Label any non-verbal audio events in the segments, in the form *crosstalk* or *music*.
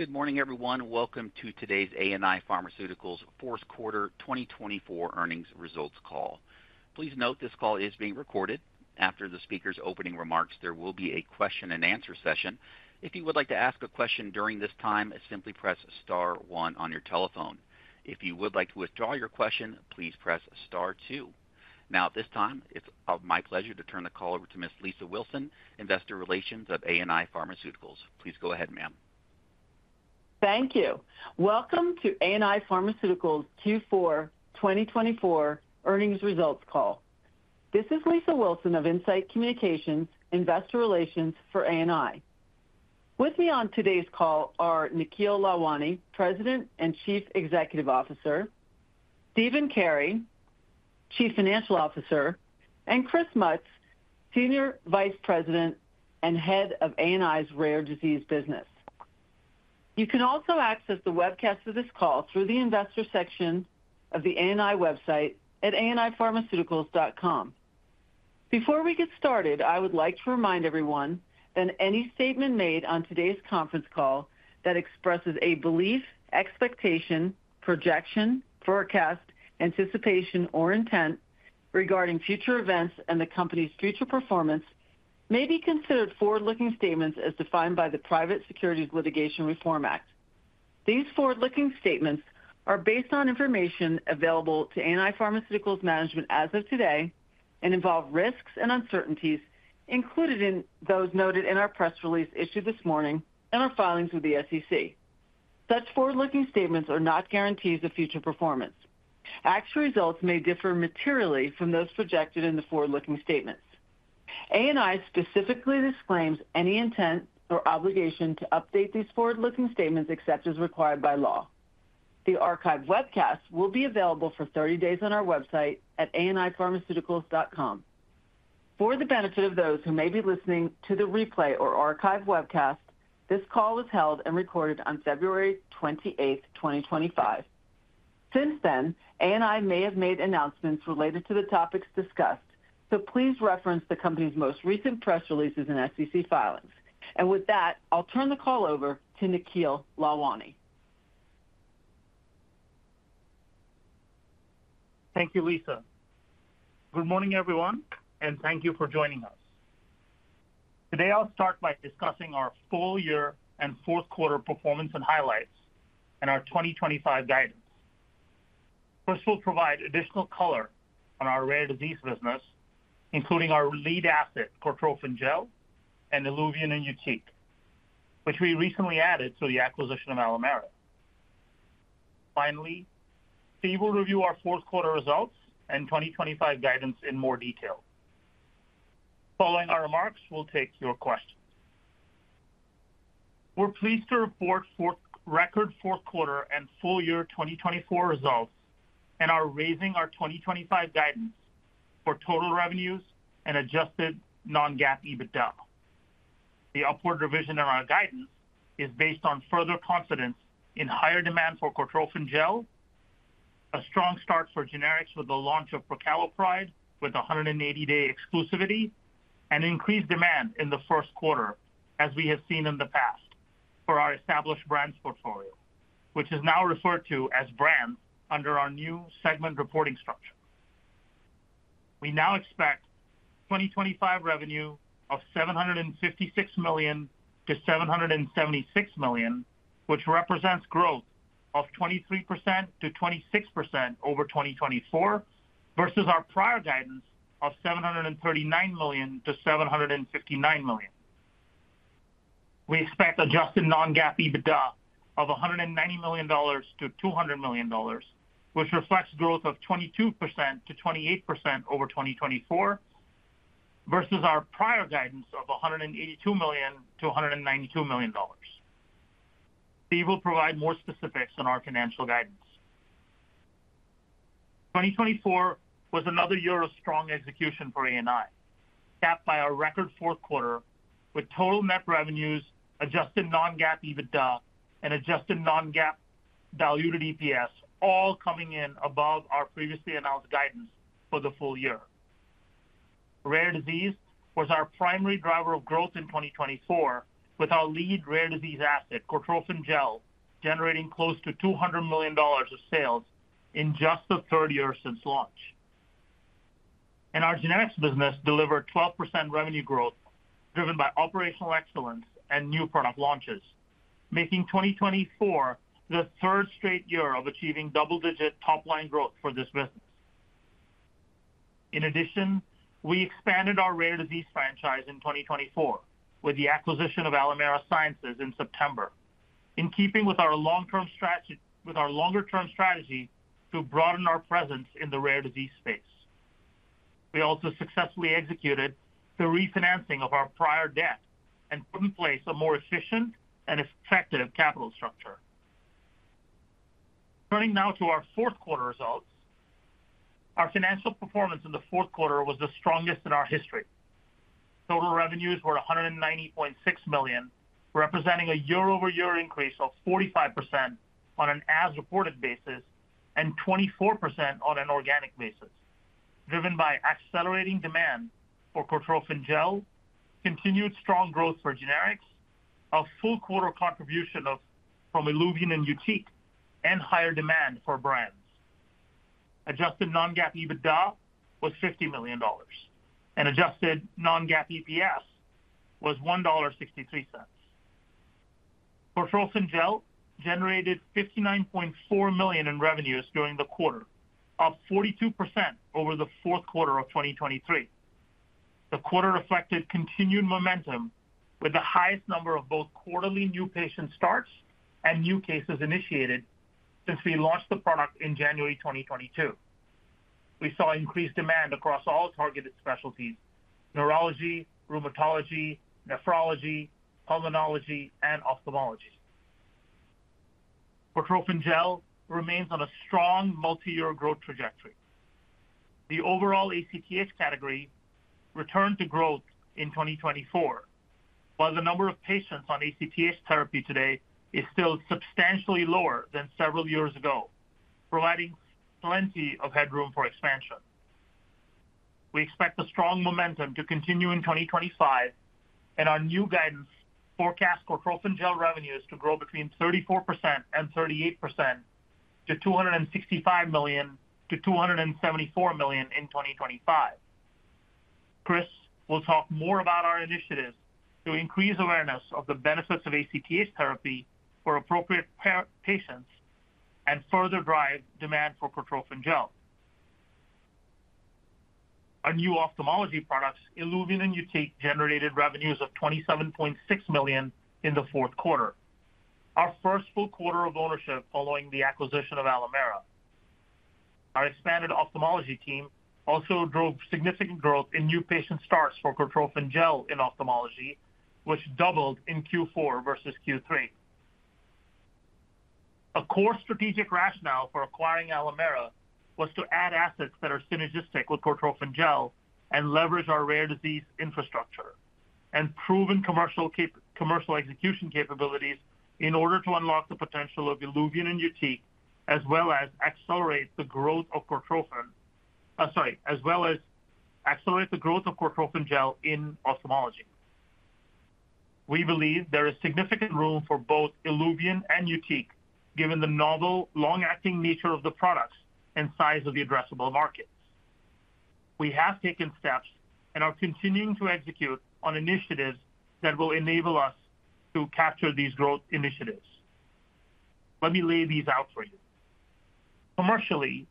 Good morning, everyone. Welcome to today's ANI Pharmaceuticals fourth quarter 2024 earnings results call. Please note this call is being recorded. After the speaker's opening remarks, there will be a question-and-answer session. If you would like to ask a question during this time, simply press star one on your telephone. If you would like to withdraw your question, please press star two. Now, at this time, it's my pleasure to turn the call over to Ms. Lisa Wilson, Investor Relations of ANI Pharmaceuticals. Please go ahead, ma'am. Thank you. Welcome to ANI Pharmaceuticals Q4 2024 earnings results call. This is Lisa Wilson of In-Site Communications, Investor Relations for ANI. With me on today's call are Nikhil Lalwani, President and Chief Executive Officer; Stephen Carey, Chief Financial Officer; and Chris Mutz, Senior Vice President and Head of ANI's Rare Disease Business. You can also access the webcast of this call through the investor section of the ANI website at anipharmaceuticals.com. Before we get started, I would like to remind everyone that any statement made on today's conference call that expresses a belief, expectation, projection, forecast, anticipation, or intent regarding future events and the company's future performance may be considered forward-looking statements as defined by the Private Securities Litigation Reform Act. These forward-looking statements are based on information available to ANI Pharmaceuticals Management as of today and involve risks and uncertainties included in those noted in our press release issued this morning and our filings with the SEC. Such forward-looking statements are not guarantees of future performance. Actual results may differ materially from those projected in the forward-looking statements. ANI specifically disclaims any intent or obligation to update these forward-looking statements except as required by law. The archived webcast will be available for 30 days on our website at anipharmaceuticals.com. For the benefit of those who may be listening to the replay or archived webcast, this call was held and recorded on February 28th, 2025. Since then, ANI may have made announcements related to the topics discussed, so please reference the company's most recent press releases and SEC filings. With that, I'll turn the call over to Nikhil Lalwani. Thank you, Lisa. Good morning, everyone, and thank you for joining us. Today, I'll start by discussing our full year and fourth quarter performance and highlights and our 2025 guidance. First, we'll provide additional color on our rare disease business, including our lead asset, Cortrophin Gel, and ILUVIEN and YUTIQ, which we recently added through the acquisition of Alimera. Finally, Stephen will review our fourth quarter results and 2025 guidance in more detail. Following our remarks, we'll take your questions. We're pleased to report record fourth quarter and full year 2024 results and are raising our 2025 guidance for total revenues and adjusted non-GAAP EBITDA. The upward revision in our guidance is based on further confidence in higher demand for Cortrophin Gel, a strong start for generics with the launch of prucalopride with 180-day exclusivity, and increased demand in the first quarter, as we have seen in the past, for our established brands portfolio, which is now referred to as brands under our new segment reporting structure. We now expect 2025 revenue of $756 million-$776 million, which represents growth of 23%-26% over 2024 versus our prior guidance of $739 million-$759 million. We expect adjusted non-GAAP EBITDA of $190 million-$200 million, which reflects growth of 22%-28% over 2024 versus our prior guidance of $182 million-$192 million. Steve will provide more specifics on our financial guidance. 2024 was another year of strong execution for ANI, capped by our record fourth quarter, with total net revenues, adjusted non-GAAP EBITDA, and adjusted non-GAAP diluted EPS all coming in above our previously announced guidance for the full year. Rare disease was our primary driver of growth in 2024, with our lead rare disease asset, Cortrophin Gel, generating close to $200 million of sales in just the third year since launch. Our generics business delivered 12% revenue growth driven by operational excellence and new product launches, making 2024 the third straight year of achieving double-digit top-line growth for this business. In addition, we expanded our rare disease franchise in 2024 with the acquisition of Alimera Sciences in September, in keeping with our longer-term strategy to broaden our presence in the rare disease space. We also successfully executed the refinancing of our prior debt and put in place a more efficient and effective capital structure. Turning now to our fourth quarter results, our financial performance in the fourth quarter was the strongest in our history. Total revenues were $190.6 million, representing a year-over-year increase of 45% on an as-reported basis and 24% on an organic basis, driven by accelerating demand for Cortrophin Gel, continued strong growth for generics, a full quarter contribution from ILUVIEN and YUTIQ, and higher demand for brands. Adjusted non-GAAP EBITDA was $50 million, and adjusted non-GAAP EPS was $1.63. Cortrophin Gel generated $59.4 million in revenues during the quarter, up 42% over the fourth quarter of 2023. The quarter reflected continued momentum, with the highest number of both quarterly new patient starts and new cases initiated since we launched the product in January 2022. We saw increased demand across all targeted specialties: neurology, rheumatology, nephrology, pulmonology, and ophthalmology. Cortrophin Gel remains on a strong multi-year growth trajectory. The overall ACTH category returned to growth in 2024, while the number of patients on ACTH therapy today is still substantially lower than several years ago, providing plenty of headroom for expansion. We expect the strong momentum to continue in 2025, and our new guidance forecasts Cortrophin Gel revenues to grow between 34% and 38% to $265 million-$274 million in 2025. Chris will talk more about our initiatives to increase awareness of the benefits of ACTH therapy for appropriate patients and further drive demand for Cortrophin Gel. Our new ophthalmology products, ILUVIEN and YUTIQ, generated revenues of $27.6 million in the fourth quarter, our first full quarter of ownership following the acquisition of Alimera. Our expanded ophthalmology team also drove significant growth in new patient starts for Cortrophin Gel in ophthalmology, which doubled in Q4 versus Q3. A core strategic rationale for acquiring Alimera was to add assets that are synergistic with Cortrophin Gel and leverage our rare disease infrastructure and proven commercial execution capabilities in order to unlock the potential of ILUVIEN and YUTIQ, as well as accelerate the growth of Cortrophin—sorry—as well as accelerate the growth of Cortrophin Gel in ophthalmology. We believe there is significant room for both ILUVIEN and YUTIQ, given the novel long-acting nature of the products and size of the addressable markets. We have taken steps and are continuing to execute on initiatives that will enable us to capture these growth initiatives. Let me lay these out for you. Commercially,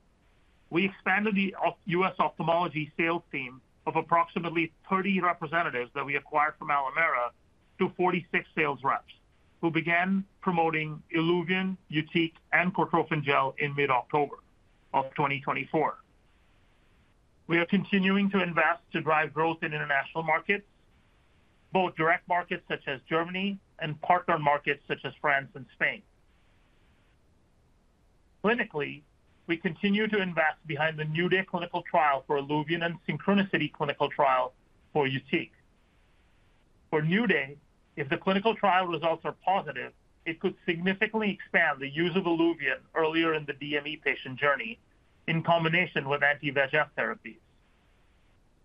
we expanded the U.S. ophthalmology sales team of approximately 30 representatives that we acquired from Alimera to 46 sales reps, who began promoting ILUVIEN, YUTIQ, and Cortrophin Gel in mid-October of 2024. We are continuing to invest to drive growth in international markets, both direct markets such as Germany and partner markets such as France and Spain. Clinically, we continue to invest behind the New Day clinical trial for ILUVIEN and Synchronicity clinical trial for YUTIQ. For New Day, if the clinical trial results are positive, it could significantly expand the use of ILUVIEN earlier in the DME patient journey in combination with anti-VEGF therapies.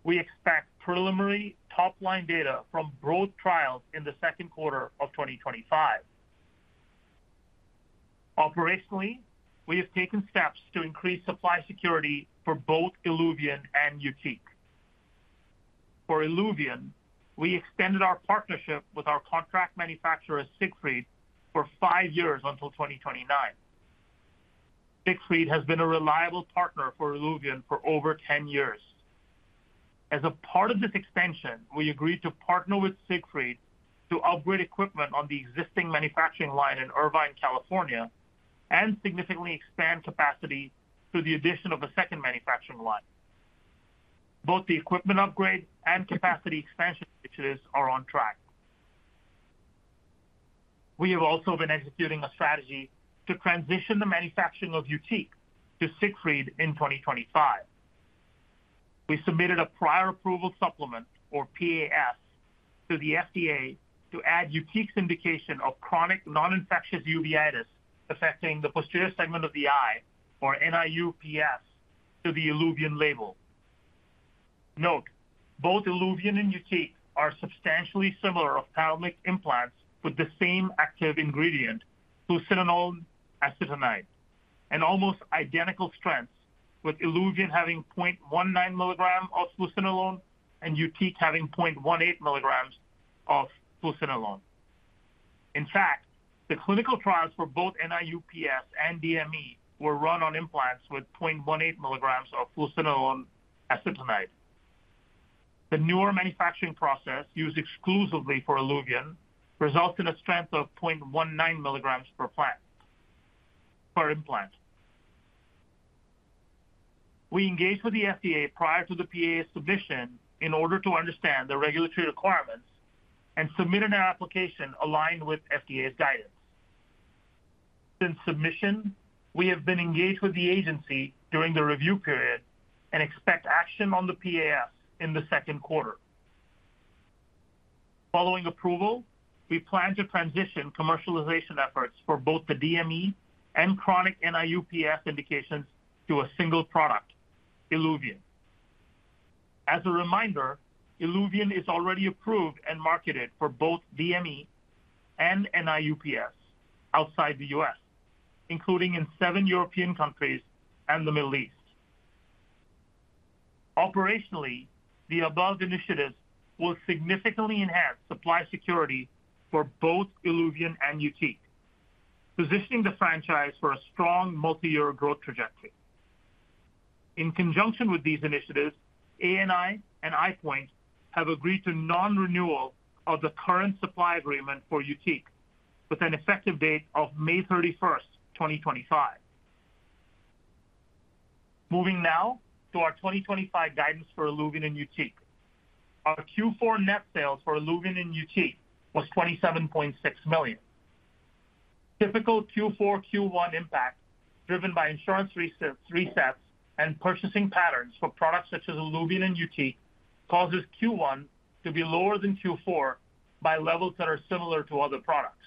We expect preliminary top-line data from both trials in the second quarter of 2025. Operationally, we have taken steps to increase supply security for both ILUVIEN and YUTIQ. For ILUVIEN, we extended our partnership with our contract manufacturer, Siegfried, for five years until 2029. Siegfried has been a reliable partner for ILUVIEN for over 10 years. As a part of this extension, we agreed to partner with Siegfried to upgrade equipment on the existing manufacturing line in Irvine, California, and significantly expand capacity through the addition of a second manufacturing line. Both the equipment upgrade and capacity expansion initiatives are on track. We have also been executing a strategy to transition the manufacturing of YUTIQ to Siegfried in 2025. We submitted a prior approval supplement, or PAS, to the FDA to add YUTIQ's indication of chronic non-infectious uveitis affecting the posterior segment of the eye, or NIU-PS, to the ILUVIEN label. Note, both ILUVIEN and YUTIQ are substantially similar ophthalmic implants with the same active ingredient, fluocinolone acetonide, and almost identical strengths, with ILUVIEN having 0.19 mg of fluocinolone and YUTIQ having 0.18 mg of fluocinolone. In fact, the clinical trials for both NIU-PS and DME were run on implants with 0.18 mg of fluocinolone acetonide. The newer manufacturing process used exclusively for ILUVIEN results in a strength of 0.19 mg per implant. We engaged with the FDA prior to the PAS submission in order to understand the regulatory requirements and submit an application aligned with FDA's guidance. Since submission, we have been engaged with the agency during the review period and expect action on the PAS in the second quarter. Following approval, we plan to transition commercialization efforts for both the DME and chronic NIU-PS indications to a single product, ILUVIEN. As a reminder, ILUVIEN is already approved and marketed for both DME and NIU-PS outside the U.S., including in seven European countries and the Middle East. Operationally, the above initiatives will significantly enhance supply security for both ILUVIEN and YUTIQ, positioning the franchise for a strong multi-year growth trajectory. In conjunction with these initiatives, ANI and EyePoint have agreed to non-renewal of the current supply agreement for YUTIQ with an effective date of May 31st, 2025. Moving now to our 2025 guidance for ILUVIEN and YUTIQ. Our Q4 net sales for ILUVIEN and YUTIQ was $27.6 million. Typical Q4, Q1 impact driven by insurance resets and purchasing patterns for products such as ILUVIEN and YUTIQ causes Q1 to be lower than Q4 by levels that are similar to other products.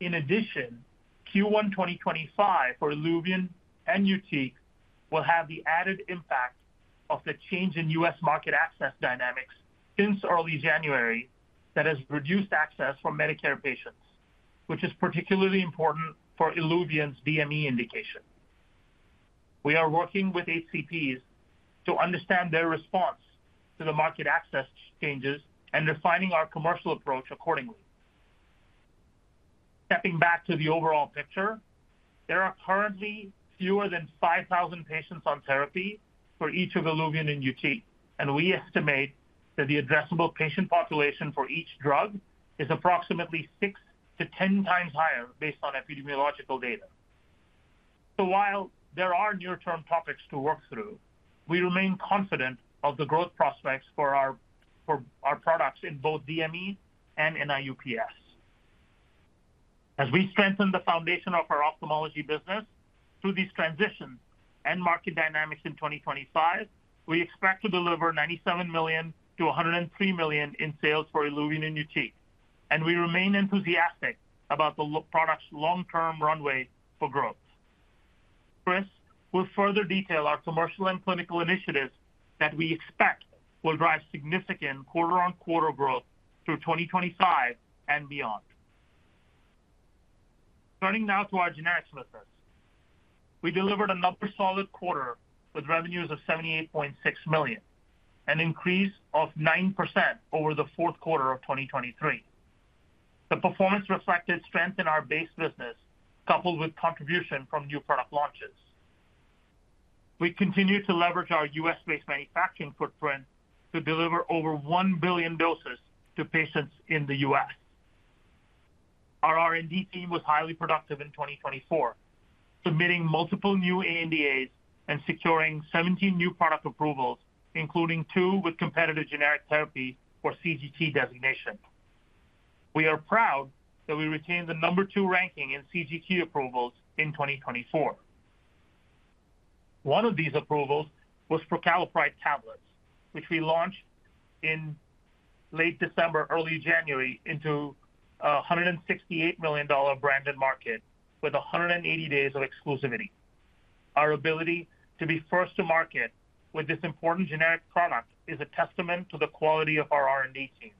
In addition, Q1 2025 for ILUVIEN and YUTIQ will have the added impact of the change in U.S. market access dynamics since early January that has reduced access for Medicare patients, which is particularly important for ILUVIEN's DME indication. We are working with HCPs to understand their response to the market access changes and refining our commercial approach accordingly. Stepping back to the overall picture, there are currently fewer than 5,000 patients on therapy for each of ILUVIEN and YUTIQ, and we estimate that the addressable patient population for each drug is approximately six to 10x higher based on epidemiological data. While there are near-term topics to work through, we remain confident of the growth prospects for our products in both DME and NIU-PS. As we strengthen the foundation of our ophthalmology business through these transitions and market dynamics in 2025, we expect to deliver $97 million-$103 million in sales for ILUVIEN and YUTIQ, and we remain enthusiastic about the product's long-term runway for growth. Chris will further detail our commercial and clinical initiatives that we expect will drive significant quarter-on-quarter growth through 2025 and beyond. Turning now to our generics business, we delivered another solid quarter with revenues of $78.6 million, an increase of 9% over the fourth quarter of 2023. The performance reflected strength in our base business, coupled with contribution from new product launches. We continue to leverage our U.S.-based manufacturing footprint to deliver over 1 billion doses to patients in the U.S. Our R&D team was highly productive in 2024, submitting multiple new ANDAs and securing 17 new product approvals, including two with competitive generic therapy or CGT designation. We are proud that we retained the number two ranking in CGT approvals in 2024. One of these approvals was prucalopride tablets, which we launched in late December, early January, into a $168 million branded market with 180 days of exclusivity. Our ability to be first to market with this important generic product is a testament to the quality of our R&D team.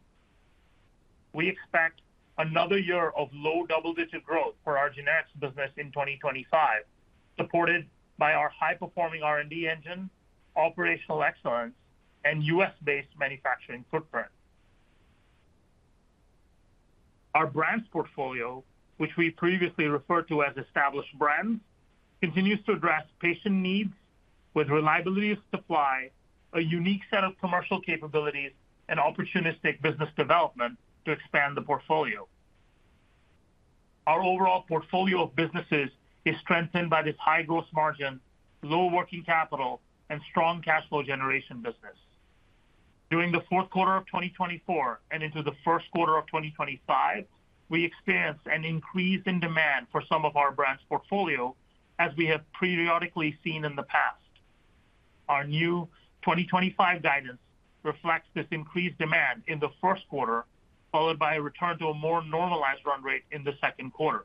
We expect another year of low double-digit growth for our generics business in 2025, supported by our high-performing R&D engine, operational excellence, and U.S.-based manufacturing footprint. Our brands portfolio, which we previously referred to as established brands, continues to address patient needs with reliability of supply, a unique set of commercial capabilities, and opportunistic business development to expand the portfolio. Our overall portfolio of businesses is strengthened by this high gross margin, low working capital, and strong cash flow generation business. During the fourth quarter of 2024 and into the first quarter of 2025, we experienced an increase in demand for some of our brands portfolio, as we have periodically seen in the past. Our new 2025 guidance reflects this increased demand in the first quarter, followed by a return to a more normalized run rate in the second quarter.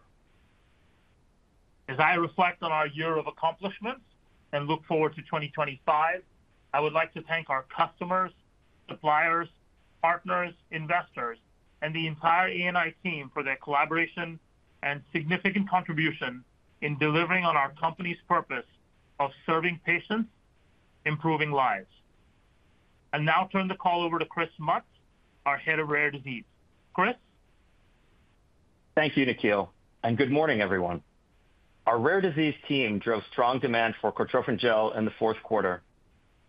As I reflect on our year of accomplishments and look forward to 2025, I would like to thank our customers, suppliers, partners, investors, and the entire ANI team for their collaboration and significant contribution in delivering on our company's purpose of serving patients, improving lives. I now turn the call over to Chris Mutz, our Head of Rare Disease. Chris? Thank you, Nikhil, and good morning, everyone. Our rare disease team drove strong demand for Cortrophin Gel in the fourth quarter.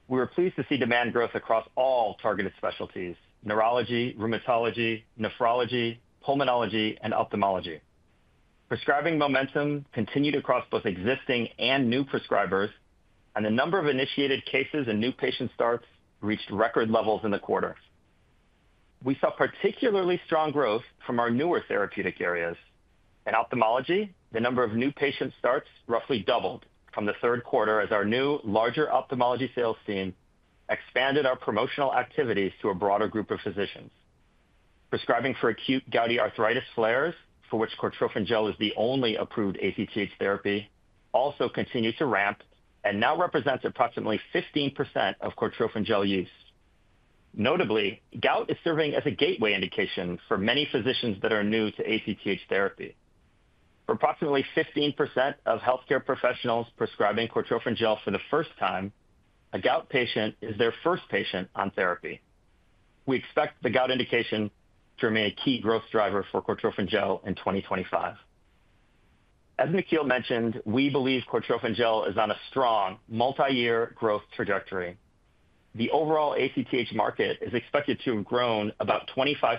We were pleased to see demand growth across all targeted specialties: neurology, rheumatology, nephrology, pulmonology, and ophthalmology. Prescribing momentum continued across both existing and new prescribers, and the number of initiated cases and new patient starts reached record levels in the quarter. We saw particularly strong growth from our newer therapeutic areas. In ophthalmology, the number of new patient starts roughly doubled from the third quarter as our new, larger ophthalmology sales team expanded our promotional activities to a broader group of physicians. Prescribing for acute gouty arthritis flares, for which Cortrophin Gel is the only approved ACTH therapy, also continued to ramp and now represents approximately 15% of Cortrophin Gel use. Notably, gout is serving as a gateway indication for many physicians that are new to ACTH therapy. For approximately 15% of healthcare professionals prescribing Cortrophin Gel for the first time, a gout patient is their first patient on therapy. We expect the gout indication to remain a key growth driver for Cortrophin Gel in 2025. As Nikhil mentioned, we believe Cortrophin Gel is on a strong multi-year growth trajectory. The overall ACTH market is expected to have grown about 25%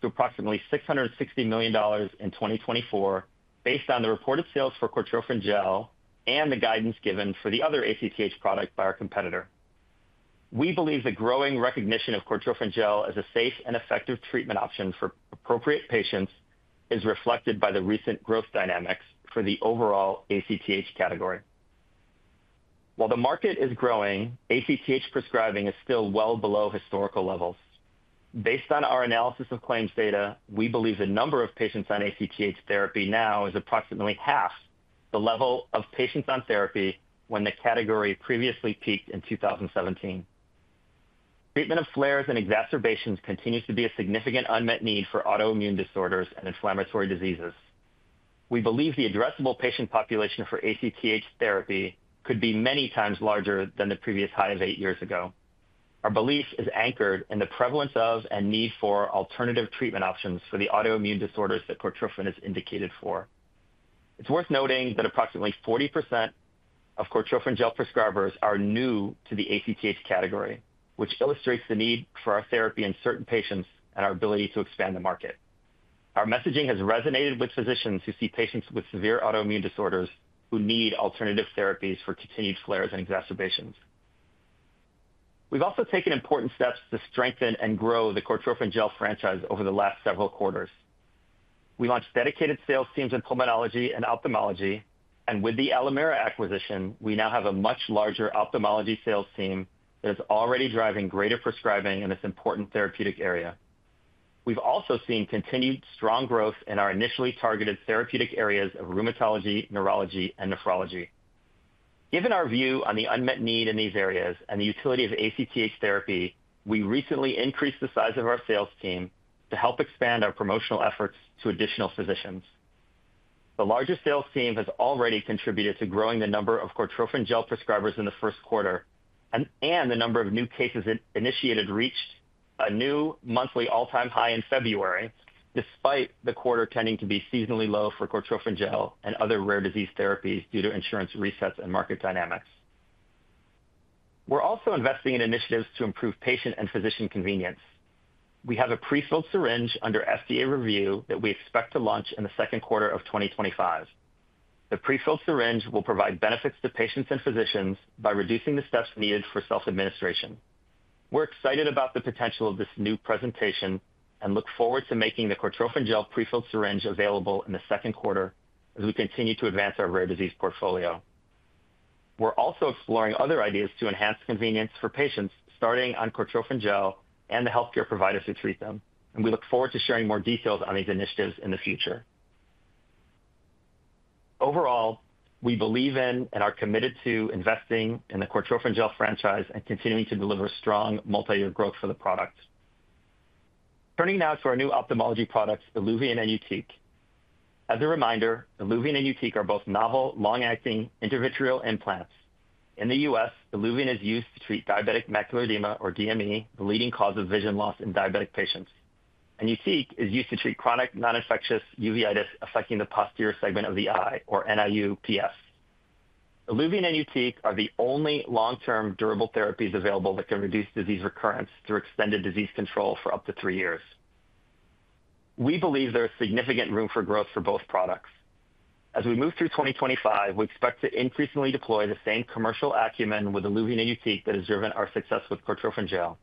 to approximately $660 million in 2024, based on the reported sales for Cortrophin Gel and the guidance given for the other ACTH product by our competitor. We believe the growing recognition of Cortrophin Gel as a safe and effective treatment option for appropriate patients is reflected by the recent growth dynamics for the overall ACTH category. While the market is growing, ACTH prescribing is still well below historical levels. Based on our analysis of claims data, we believe the number of patients on ACTH therapy now is approximately half the level of patients on therapy when the category previously peaked in 2017. Treatment of flares and exacerbations continues to be a significant unmet need for autoimmune disorders and inflammatory diseases. We believe the addressable patient population for ACTH therapy could be many times larger than the previous high of eight years ago. Our belief is anchored in the prevalence of and need for alternative treatment options for the autoimmune disorders that Cortrophin is indicated for. It's worth noting that approximately 40% of Cortrophin Gel prescribers are new to the ACTH category, which illustrates the need for our therapy in certain patients and our ability to expand the market. Our messaging has resonated with physicians who see patients with severe autoimmune disorders who need alternative therapies for continued flares and exacerbations. We've also taken important steps to strengthen and grow the Cortrophin Gel franchise over the last several quarters. We launched dedicated sales teams in pulmonology and ophthalmology, and with the Alimera acquisition, we now have a much larger ophthalmology sales team that is already driving greater prescribing in this important therapeutic area. We've also seen continued strong growth in our initially targeted therapeutic areas of rheumatology, neurology, and nephrology. Given our view on the unmet need in these areas and the utility of ACTH therapy, we recently increased the size of our sales team to help expand our promotional efforts to additional physicians. The larger sales team has already contributed to growing the number of Cortrophin Gel prescribers in the first quarter, and the number of new cases initiated reached a new monthly all-time high in February, despite the quarter tending to be seasonally low for Cortrophin Gel and other rare disease therapies due to insurance resets and market dynamics. We're also investing in initiatives to improve patient and physician convenience. We have a prefilled syringe under FDA review that we expect to launch in the second quarter of 2025. The prefilled syringe will provide benefits to patients and physicians by reducing the steps needed for self-administration. We're excited about the potential of this new presentation and look forward to making the Cortrophin Gel prefilled syringe available in the second quarter as we continue to advance our rare disease portfolio. We're also exploring other ideas to enhance convenience for patients starting on Cortrophin Gel and the healthcare providers who treat them, and we look forward to sharing more details on these initiatives in the future. Overall, we believe in and are committed to investing in the Cortrophin Gel franchise and continuing to deliver strong multi-year growth for the product. Turning now to our new ophthalmology products, ILUVIEN and YUTIQ. As a reminder, ILUVIEN and YUTIQ are both novel, long-acting intravitreal implants. In the U.S., ILUVIEN is used to treat diabetic macular edema, or DME, the leading cause of vision loss in diabetic patients. YUTIQ is used to treat chronic non-infectious uveitis affecting the posterior segment of the eye, or NIU-PS. ILUVIEN and YUTIQ are the only long-term durable therapies available that can reduce disease recurrence through extended disease control for up to three years. We believe there is significant room for growth for both products. As we move through 2025, we expect to increasingly deploy the same commercial acumen with ILUVIEN and YUTIQ that has driven our success with Cortrophin Gel.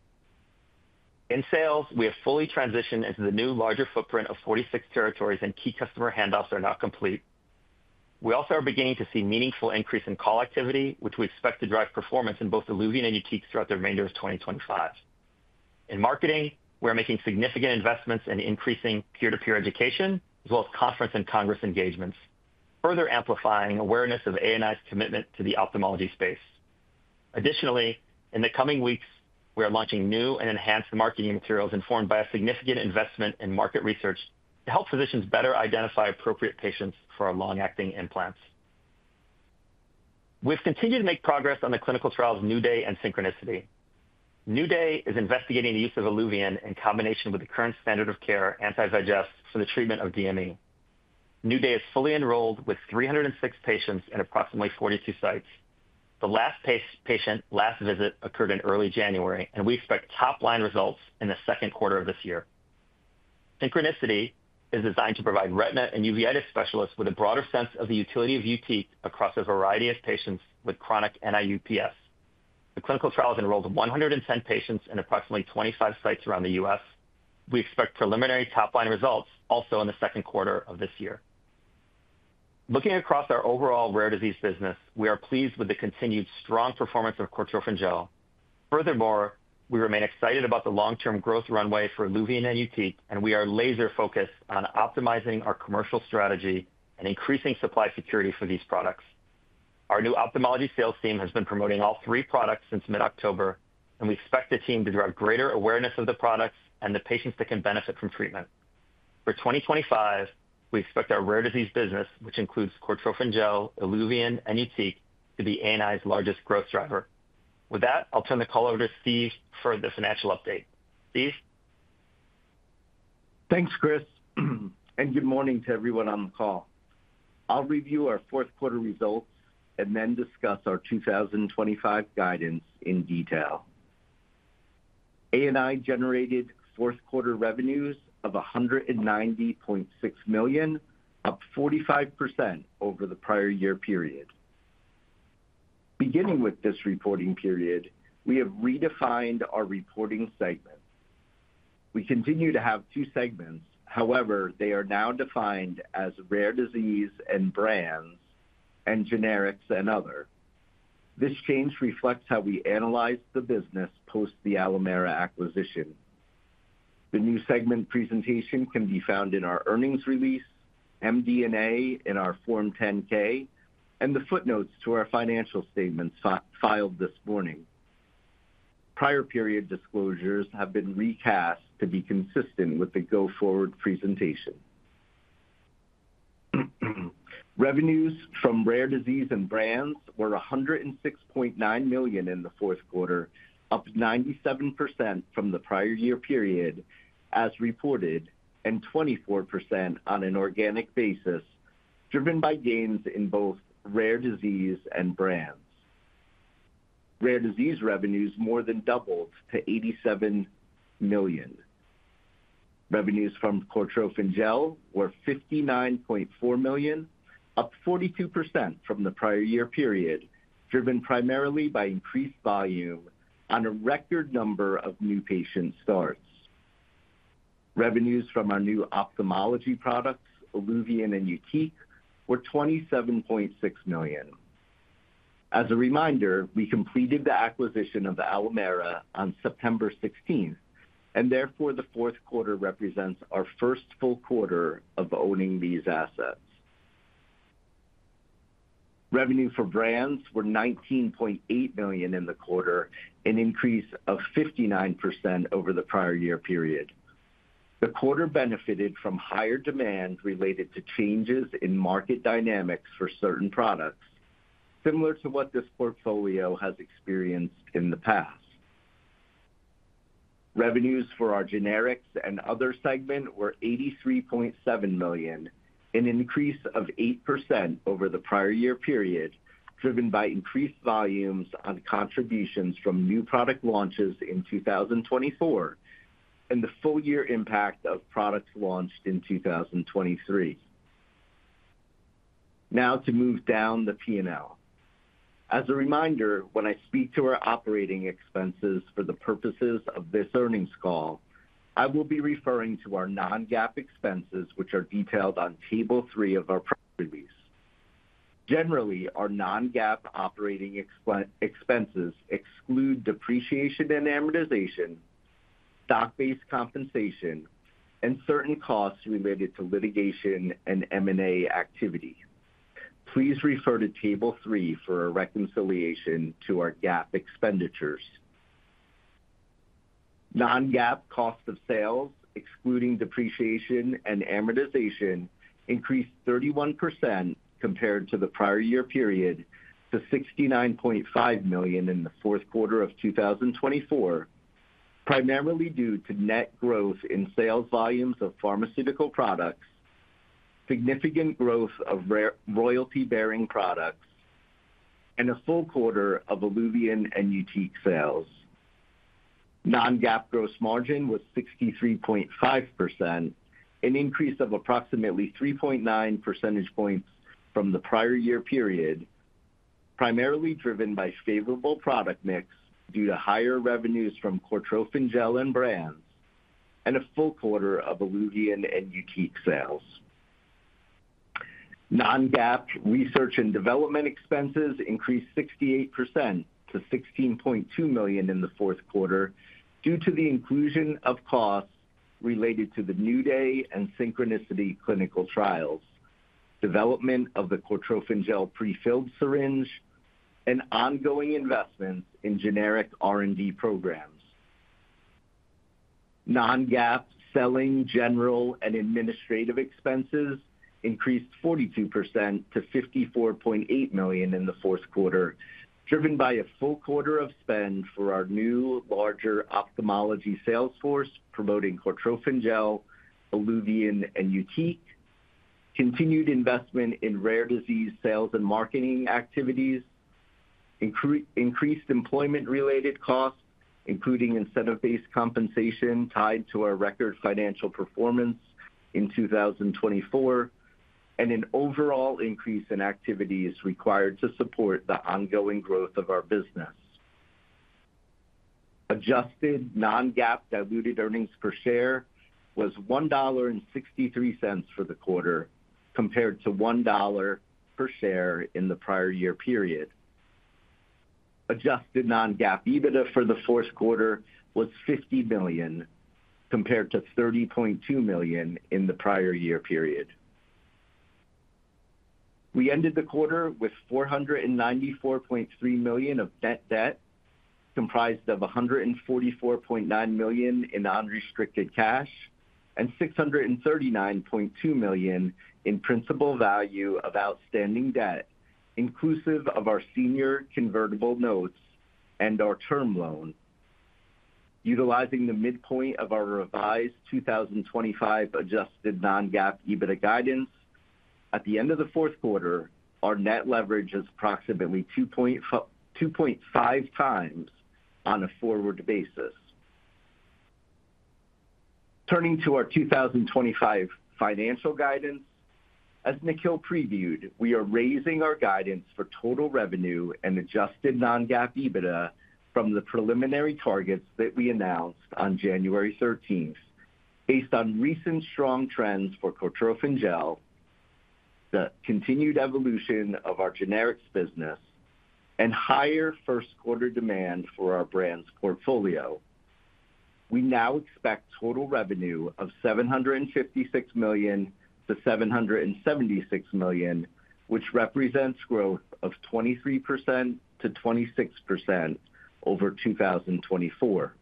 In sales, we have fully transitioned into the new larger footprint of 46 territories, and key customer handoffs are now complete. We also are beginning to see a meaningful increase in call activity, which we expect to drive performance in both ILUVIEN and YUTIQ throughout the remainder of 2025. In marketing, we are making significant investments in increasing peer-to-peer education, as well as conference and Congress engagements, further amplifying awareness of ANI's commitment to the ophthalmology space. Additionally, in the coming weeks, we are launching new and enhanced marketing materials informed by a significant investment in market research to help physicians better identify appropriate patients for our long-acting implants. We've continued to make progress on the clinical trials New Day and Synchronicity. New Day is investigating the use of ILUVIEN in combination with the current standard of care anti-VEGF for the treatment of DME. New Day is fully enrolled with 306 patients in approximately 42 sites. The last patient last visit occurred in early January, and we expect top-line results in the second quarter of this year. Synchronicity is designed to provide retina and uveitis specialists with a broader sense of the utility of YUTIQ across a variety of patients with chronic NIU-PS. The clinical trial has enrolled 110 patients in approximately 25 sites around the U.S. We expect preliminary top-line results also in the second quarter of this year. Looking across our overall rare disease business, we are pleased with the continued strong performance of Cortrophin Gel. Furthermore, we remain excited about the long-term growth runway for ILUVIEN and YUTIQ, and we are laser-focused on optimizing our commercial strategy and increasing supply security for these products. Our new ophthalmology sales team has been promoting all three products since mid-October, and we expect the team to drive greater awareness of the products and the patients that can benefit from treatment. For 2025, we expect our rare disease business, which includes Cortrophin Gel, ILUVIEN, and YUTIQ, to be ANI's largest growth driver. With that, I'll turn the call over to Steve for the financial update. Steve? Thanks, Chris, and good morning to everyone on the call. I'll review our fourth quarter results and then discuss our 2025 guidance in detail. ANI generated fourth quarter revenues of $190.6 million, up 45% over the prior year period. Beginning with this reporting period, we have redefined our reporting segments. We continue to have two segments; however, they are now defined as rare disease and brands, and generics and other. This change reflects how we analyzed the business post the Alimera acquisition. The new segment presentation can be found in our earnings release, MD&A in our Form 10-K, and the footnotes to our financial statements filed this morning. Prior period disclosures have been recast to be consistent with the go-forward presentation. Revenues from rare disease and brands were $106.9 million in the fourth quarter, up 97% from the prior year period, as reported, and 24% on an organic basis, driven by gains in both rare disease and brands. Rare disease revenues more than doubled to $87 million. Revenues from Cortrophin Gel were $59.4 million, up 42% from the prior year period, driven primarily by increased volume on a record number of new patient starts. Revenues from our new ophthalmology products, ILUVIEN and YUTIQ, were $27.6 million. As a reminder, we completed the acquisition of Alimera on September 16th, and therefore the fourth quarter represents our first full quarter of owning these assets. Revenue for brands were $19.8 million in the quarter, an increase of 59% over the prior year period. The quarter benefited from higher demand related to changes in market dynamics for certain products, similar to what this portfolio has experienced in the past. Revenues for our generics and other segment were $83.7 million, an increase of 8% over the prior year period, driven by increased volumes on contributions from new product launches in 2024 and the full-year impact of products launched in 2023. Now to move down the P&L. As a reminder, when I speak to our operating expenses for the purposes of this earnings call, I will be referring to our non-GAAP expenses, which are detailed on Table 3 of our press release. Generally, our non-GAAP operating expenses exclude depreciation and amortization, stock-based compensation, and certain costs related to litigation and M&A activity. Please refer to Table 3 for a reconciliation to our GAAP expenditures. Non-GAAP cost of sales, excluding depreciation and amortization, increased 31% compared to the prior year period to $69.5 million in the fourth quarter of 2024, primarily due to net growth in sales volumes of pharmaceutical products, significant growth of royalty-bearing products, and a full quarter of ILUVIEN and YUTIQ sales. Non-GAAP gross margin was 63.5%, an increase of approximately 3.9 percentage points from the prior year period, primarily driven by favorable product mix due to higher revenues from Cortrophin Gel and brands, and a full quarter of ILUVIEN and YUTIQ sales. Non-GAAP research and development expenses increased 68% to $16.2 million in the fourth quarter due to the inclusion of costs related to the New Day and Synchronicity clinical trials, development of the Cortrophin Gel prefilled syringe, and ongoing investments in generic R&D programs. Non-GAAP selling, general, and administrative expenses increased 42% to $54.8 million in the fourth quarter, driven by a full quarter of spend for our new, larger ophthalmology sales force promoting Cortrophin Gel, ILUVIEN, and YUTIQ, continued investment in rare disease sales and marketing activities, increased employment-related costs, including incentive-based compensation tied to our record financial performance in 2024, and an overall increase in activities required to support the ongoing growth of our business. Adjusted non-GAAP diluted earnings per share was $1.63 for the quarter, compared to $1.00 per share in the prior year period. Adjusted non-GAAP EBITDA for the fourth quarter was $50 million, compared to $30.2 million in the prior year period. We ended the quarter with $494.3 million of net debt, comprised of $144.9 million in unrestricted cash and $639.2 million in principal value of outstanding debt, inclusive of our senior convertible notes and our term loan. Utilizing the midpoint of our revised 2025 adjusted non-GAAP EBITDA guidance, at the end of the fourth quarter, our net leverage is approximately 2.5x on a forward basis. Turning to our 2025 financial guidance, as Nikhil previewed, we are raising our guidance for total revenue and adjusted non-GAAP EBITDA from the preliminary targets that we announced on January 13th, based on recent strong trends for Cortrophin Gel, the continued evolution of our generics business, and higher first-quarter demand for our brands portfolio. We now expect total revenue of $756 million-$776 million, which represents growth of 23%-26% over 2024.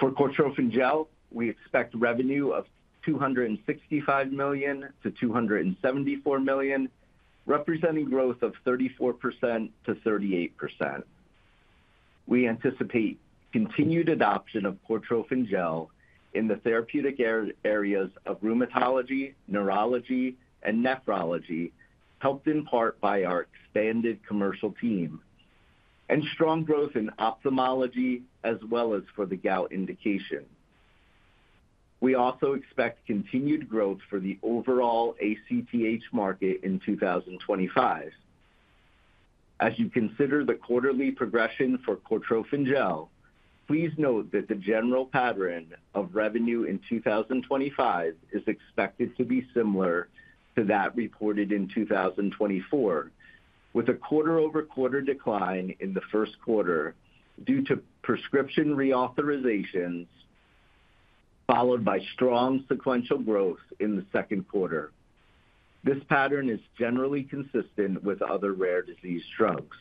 For Cortrophin Gel, we expect revenue of $265 million-$274 million, representing growth of 34%-38%. We anticipate continued adoption of Cortrophin Gel in the therapeutic areas of rheumatology, neurology, and nephrology, helped in part by our expanded commercial team, and strong growth in ophthalmology as well as for the gout indication. We also expect continued growth for the overall ACTH market in 2025. As you consider the quarterly progression for Cortrophin Gel, please note that the general pattern of revenue in 2025 is expected to be similar to that reported in 2024, with a quarter-over-quarter decline in the first quarter due to prescription reauthorizations followed by strong sequential growth in the second quarter. This pattern is generally consistent with other rare disease drugs.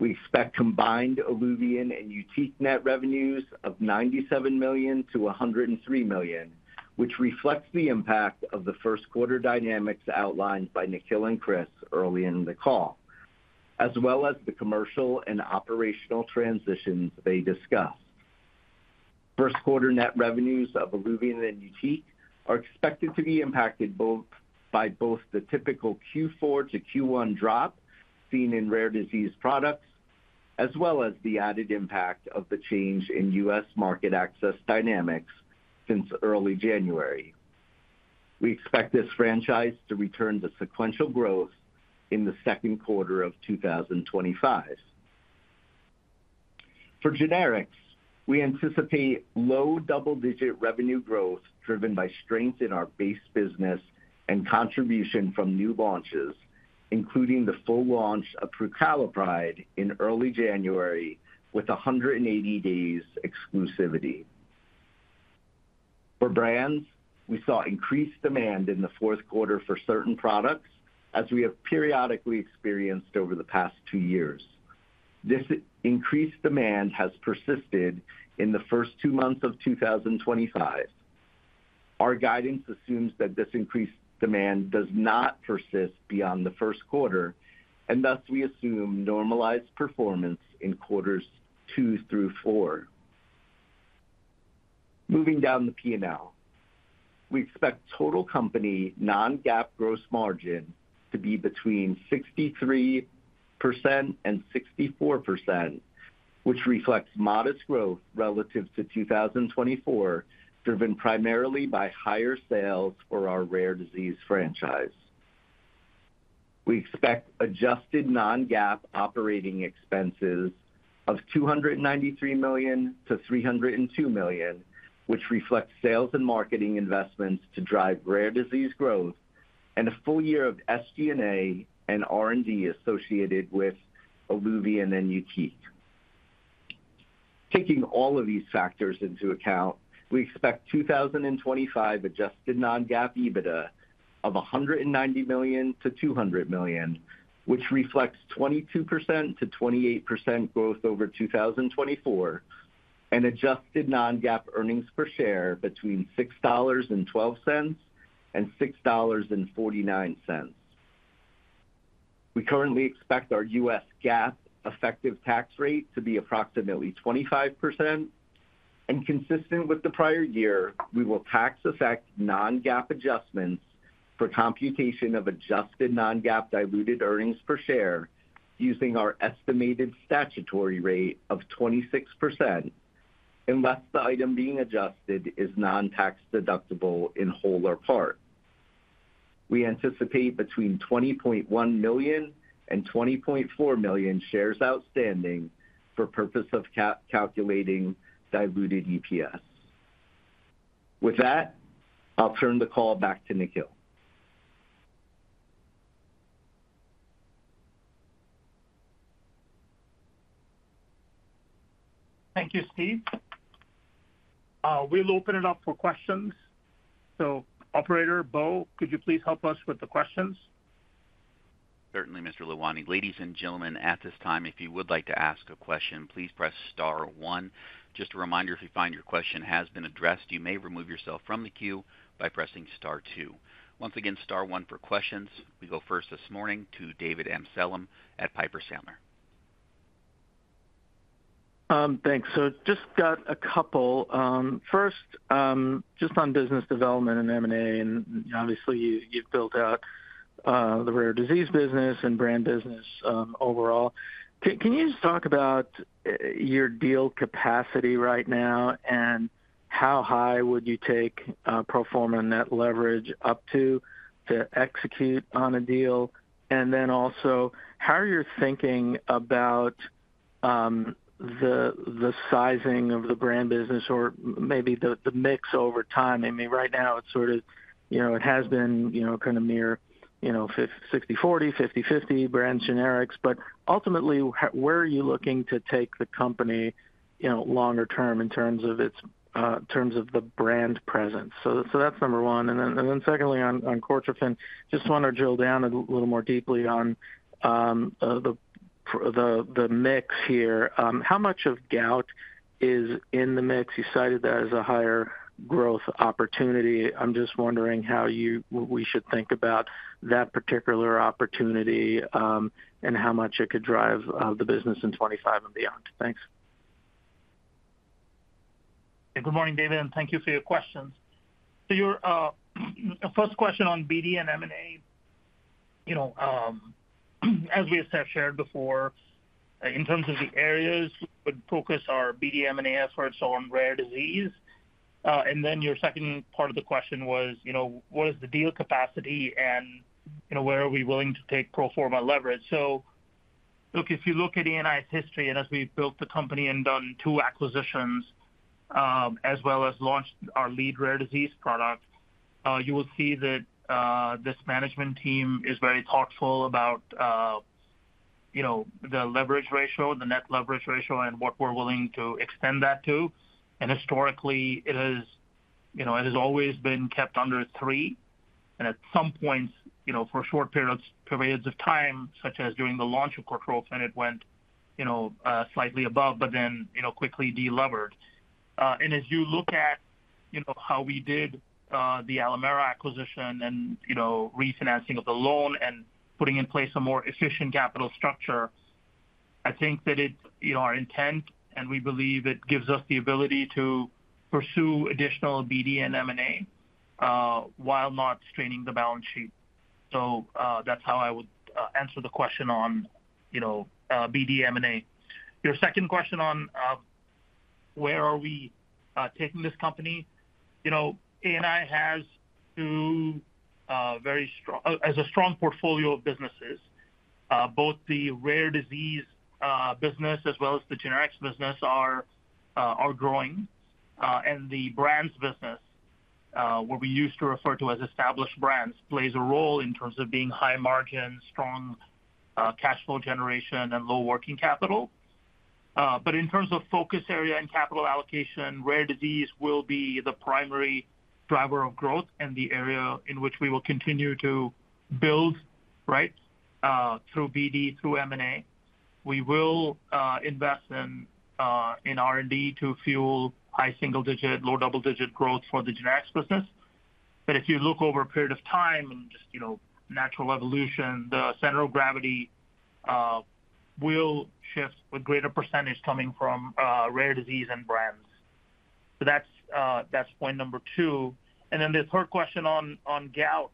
We expect combined ILUVIEN and YUTIQ net revenues of $97 million-$103 million, which reflects the impact of the first quarter dynamics outlined by Nikhil and Chris early in the call, as well as the commercial and operational transitions they discussed. First-quarter net revenues of ILUVIEN and YUTIQ are expected to be impacted by both the typical Q4 to Q1 drop seen in rare disease products, as well as the added impact of the change in U.S. market access dynamics since early January. We expect this franchise to return to sequential growth in the second quarter of 2025. For generics, we anticipate low double-digit revenue growth driven by strength in our base business and contribution from new launches, including the full launch of prucalopride in early January with 180-day exclusivity. For brands, we saw increased demand in the fourth quarter for certain products, as we have periodically experienced over the past two years. This increased demand has persisted in the first two months of 2025. Our guidance assumes that this increased demand does not persist beyond the first quarter, and thus we assume normalized performance in quarters two through four. Moving down the P&L, we expect total company non-GAAP gross margin to be between 63% and 64%, which reflects modest growth relative to 2024, driven primarily by higher sales for our rare disease franchise. We expect adjusted non-GAAP operating expenses of $293 million-$302 million, which reflects sales and marketing investments to drive rare disease growth and a full year of SG&A and R&D associated with ILUVIEN and YUTIQ. Taking all of these factors into account, we expect 2025 adjusted non-GAAP EBITDA of $190 million-$200 million, which reflects 22%-28% growth over 2024, and adjusted non-GAAP earnings per share between $6.12 and $6.49. We currently expect our U.S. GAAP effective tax rate to be approximately 25%, and consistent with the prior year, we will tax-affect non-GAAP adjustments for computation of adjusted non-GAAP diluted earnings per share using our estimated statutory rate of 26%, unless the item being adjusted is non-tax deductible in whole or part. We anticipate between $20.1 million and $20.4 million shares outstanding for purpose of calculating diluted EPS. With that, I'll turn the call back to Nikhil. Thank you, Steve. We'll open it up for questions. Operator Bo, could you please help us with the questions? Certainly, Mr. Lalwani. Ladies and gentlemen, at this time, if you would like to ask a question, please press star one. Just a reminder, if you find your question has been addressed, you may remove yourself from the queue by pressing star two. Once again, star one for questions. We go first this morning to David Amsellem at Piper Sandler. Thanks. Just got a couple. First, just on business development and M&A, and obviously you've built out the rare disease business and brand business overall. Can you just talk about your deal capacity right now and how high would you take pro forma net leverage up to to execute on a deal? Also, how are you thinking about the sizing of the brand business or maybe the mix over time? I mean, right now it's sort of, it has been kind of near 60/40, 50/50 brands generics, but ultimately, where are you looking to take the company longer term in terms of the brand presence? That's number one. Secondly, on Cortrophin, just want to drill down a little more deeply on the mix here. How much of gout is in the mix? You cited that as a higher growth opportunity. I'm just wondering how we should think about that particular opportunity and how much it could drive the business in 2025 and beyond. Thanks. Good morning, David, and thank you for your questions. Your first question on BD and M&A, as we have shared before, in terms of the areas, we would focus our BD M&A efforts on rare disease. Your second part of the question was, what is the deal capacity and where are we willing to take pro forma leverage? If you look at ANI's history and as we built the company and done two acquisitions as well as launched our lead rare disease product, you will see that this management team is very thoughtful about the leverage ratio, the net leverage ratio, and what we're willing to extend that to. Historically, it has always been kept under three. At some points, for short periods of time, such as during the launch of Cortrophin Gel, it went slightly above, but then quickly de-levered. As you look at how we did the Alimera Sciences acquisition and refinancing of the loan and putting in place a more efficient capital structure, I think that our intent, and we believe it gives us the ability to pursue additional BD and M&A while not straining the balance sheet. That is how I would answer the question on BD M&A. Your second question on where are we taking this company. ANI has two very strong, has a strong portfolio of businesses. Both the rare disease business as well as the generics business are growing. The brands business, what we used to refer to as established brands, plays a role in terms of being high margin, strong cash flow generation, and low working capital. In terms of focus area and capital allocation, rare disease will be the primary driver of growth and the area in which we will continue to build, right, through BD, through M&A. We will invest in R&D to fuel high single-digit, low double-digit growth for the generics business. If you look over a period of time and just natural evolution, the center of gravity will shift with greater percentage coming from rare disease and brands. That is point number two. The third question on gout,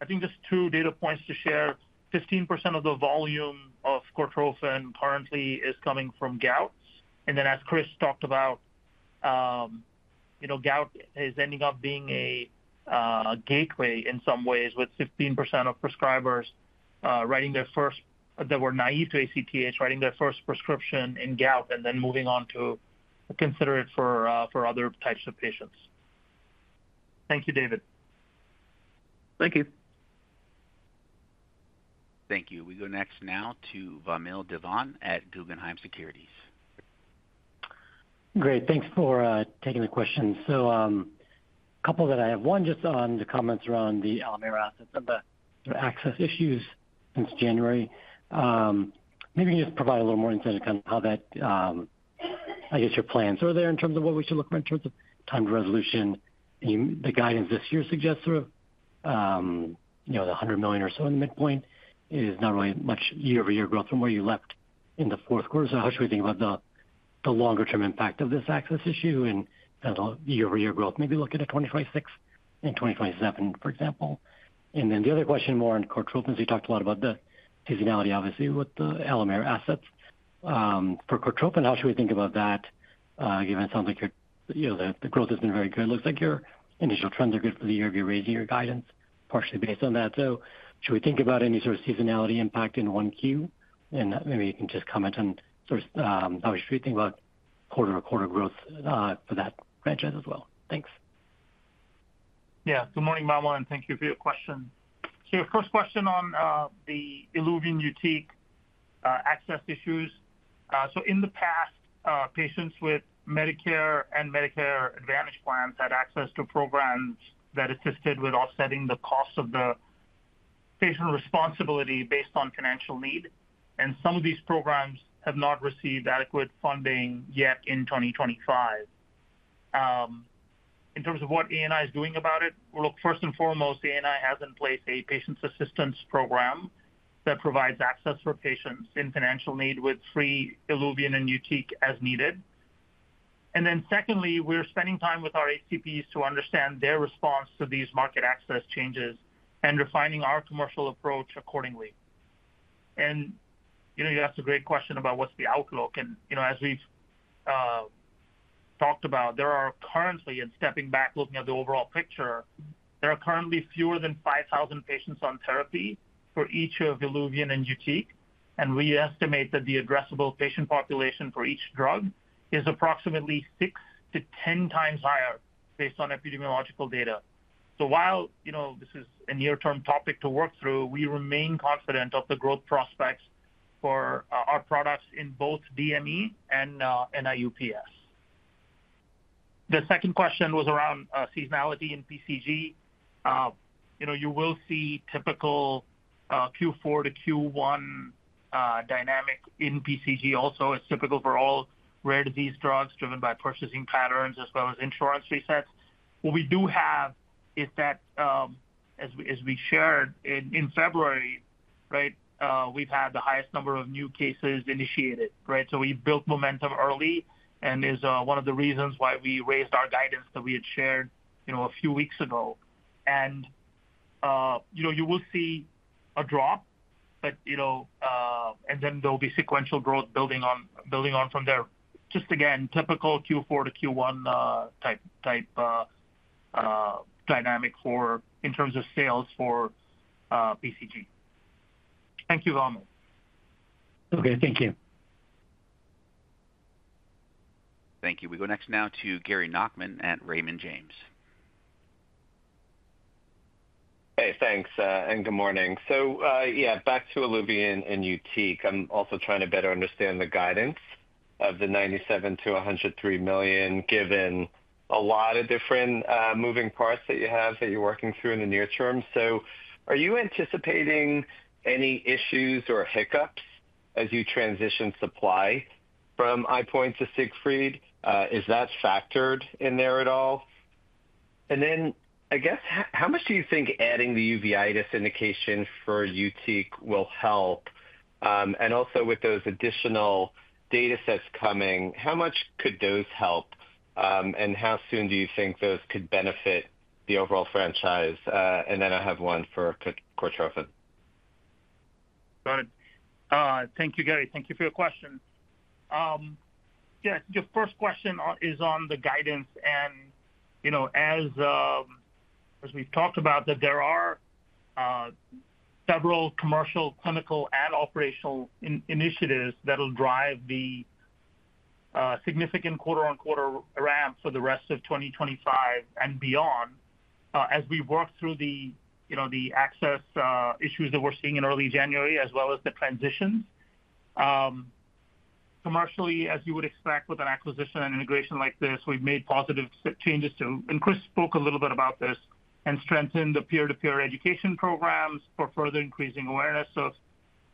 I think just two data points to share. 15% of the volume of Cortrophin currently is coming from gout. As Chris talked about, gout is ending up being a gateway in some ways with 15% of prescribers writing their first that were naive to ACTH, writing their first prescription in gout, and then moving on to consider it for other types of patients. Thank you, David. Thank you. Thank you. We go next now to Vamil Divan at Guggenheim Securities. Great. Thanks for taking the question. A couple that I have, one just on the comments around the Alimera assets and the access issues since January. Maybe you can just provide a little more insight on kind of how that, I guess, your plans are there in terms of what we should look for in terms of time to resolution. The guidance this year suggests sort of the $100 million or so in the midpoint is not really much year-over-year growth from where you left in the fourth quarter. How should we think about the longer-term impact of this access issue and kind of the year-over-year growth? Maybe looking at 2026 and 2027, for example. The other question more on Cortrophin, you talked a lot about the seasonality, obviously, with the Alimera assets. For Cortrophin, how should we think about that, given it sounds like the growth has been very good? Looks like your initial trends are good for the year. If you're raising your guidance partially based on that, should we think about any sort of seasonality impact in Q1? Maybe you can just comment on how should we think about quarter-to-quarter growth for that franchise as well. Thanks. Yeah. Good morning. *audio distortion* Thank you for your question. Your first question on the ILUVIEN YUTIQ access issues. In the past, patients with Medicare and Medicare Advantage plans had access to programs that assisted with offsetting the cost of the patient responsibility based on financial need. Some of these programs have not received adequate funding yet in 2025. In terms of what ANI is doing about it, first and foremost, ANI has in place a patient assistance program that provides access for patients in financial need with free ILUVIEN and YUTIQ as needed. Secondly, we're spending time with our ACPs to understand their response to these market access changes and refining our commercial approach accordingly. You asked a great question about what's the outlook. As we've talked about, there are currently, and stepping back, looking at the overall picture, there are currently fewer than 5,000 patients on therapy for each of ILUVIEN and YUTIQ. We estimate that the addressable patient population for each drug is approximately six to 10x higher based on epidemiological data. While this is a near-term topic to work through, we remain confident of the growth prospects for our products in both DME and NIU-PS. The second question was around seasonality in PCG. You will see typical Q4 to Q1 dynamic in PCG also. It's typical for all rare disease drugs driven by purchasing patterns as well as insurance resets. What we do have is that, as we shared in February, we've had the highest number of new cases initiated, right? We built momentum early and is one of the reasons why we raised our guidance that we had shared a few weeks ago. You will see a drop, but then there will be sequential growth building on from there. Just again, typical Q4 to Q1 type dynamic in terms of sales for PCG. Thank you, Vamil. Okay. Thank you. Thank you. We go next now to Gary Nachman at Raymond James. Hey, thanks. Good morning. Yeah, back to ILUVIEN and YUTIQ. I'm also trying to better understand the guidance of the $97 million-$103 million given a lot of different moving parts that you have that you're working through in the near term. Are you anticipating any issues or hiccups as you transition supply from EyePoint to Siegfried? Is that factored in there at all? I guess, how much do you think adding the uveitis indication for YUTIQ will help? Also, with those additional data sets coming, how much could those help? How soon do you think those could benefit the overall franchise? I have one for Cortrophin. Got it. Thank you, Gary. Thank you for your question. Yeah. Your first question is on the guidance. As we've talked about, there are several commercial, clinical, and operational initiatives that will drive the significant quarter-on-quarter ramp for the rest of 2025 and beyond as we work through the access issues that we're seeing in early January as well as the transitions. Commercially, as you would expect with an acquisition and integration like this, we've made positive changes to, and Chris spoke a little bit about this, and strengthened the peer-to-peer education programs for further increasing awareness of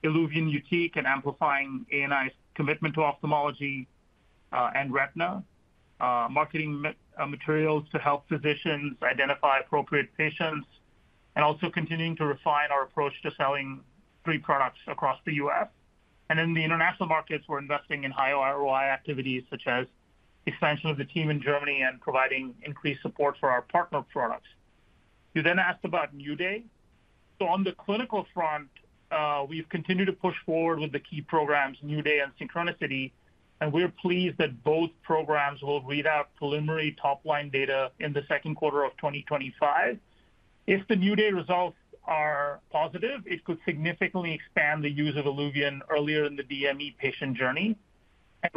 ILUVIEN, YUTIQ, and amplifying ANI's commitment to ophthalmology and retina, marketing materials to help physicians identify appropriate patients, and also continuing to refine our approach to selling three products across the U.S. In the international markets, we're investing in high ROI activities such as expansion of the team in Germany and providing increased support for our partner products. You then asked about New Day. On the clinical front, we've continued to push forward with the key programs, New Day and Synchronicity, and we're pleased that both programs will read out preliminary top-line data in the second quarter of 2025. If the New Day results are positive, it could significantly expand the use of ILUVIEN earlier in the DME patient journey.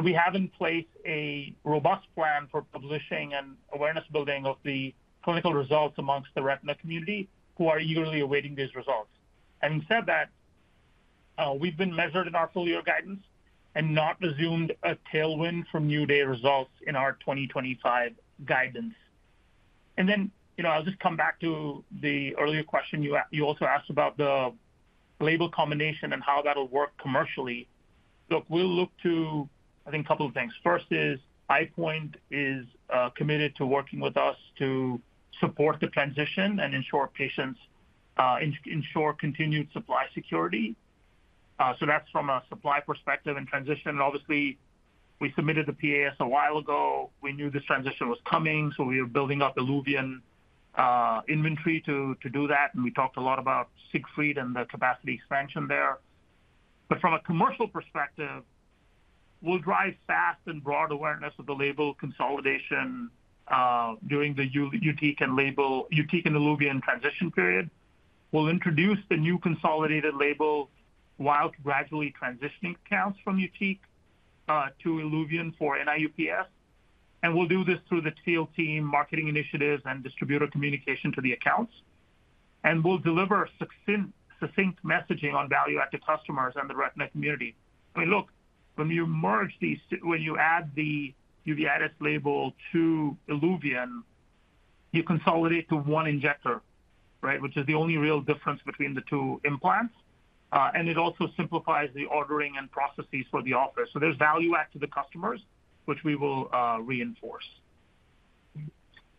We have in place a robust plan for publishing and awareness building of the clinical results amongst the retina community who are eagerly awaiting these results. Having said that, we've been measured in our full year guidance and not assumed a tailwind from New Day results in our 2025 guidance. I'll just come back to the earlier question you also asked about the label combination and how that'll work commercially. Look, we'll look to, I think, a couple of things. First is EyePoint is committed to working with us to support the transition and ensure patients ensure continued supply security. That's from a supply perspective and transition. Obviously, we submitted the PAS a while ago. We knew this transition was coming, so we were building up ILUVIEN inventory to do that. We talked a lot about Siegfried and the capacity expansion there. From a commercial perspective, we will drive fast and broad awareness of the label consolidation during the YUTIQ and ILUVIEN transition period. We will introduce the new consolidated label while gradually transitioning accounts from YUTIQ to ILUVIEN for NIU-PS. We will do this through the TLT marketing initiatives and distributor communication to the accounts. We will deliver succinct messaging on value at the customers and the retina community. I mean, look, when you merge these, when you add the uveitis label to ILUVIEN, you consolidate to one injector, right, which is the only real difference between the two implants. It also simplifies the ordering and processes for the office. There is value add to the customers, which we will reinforce.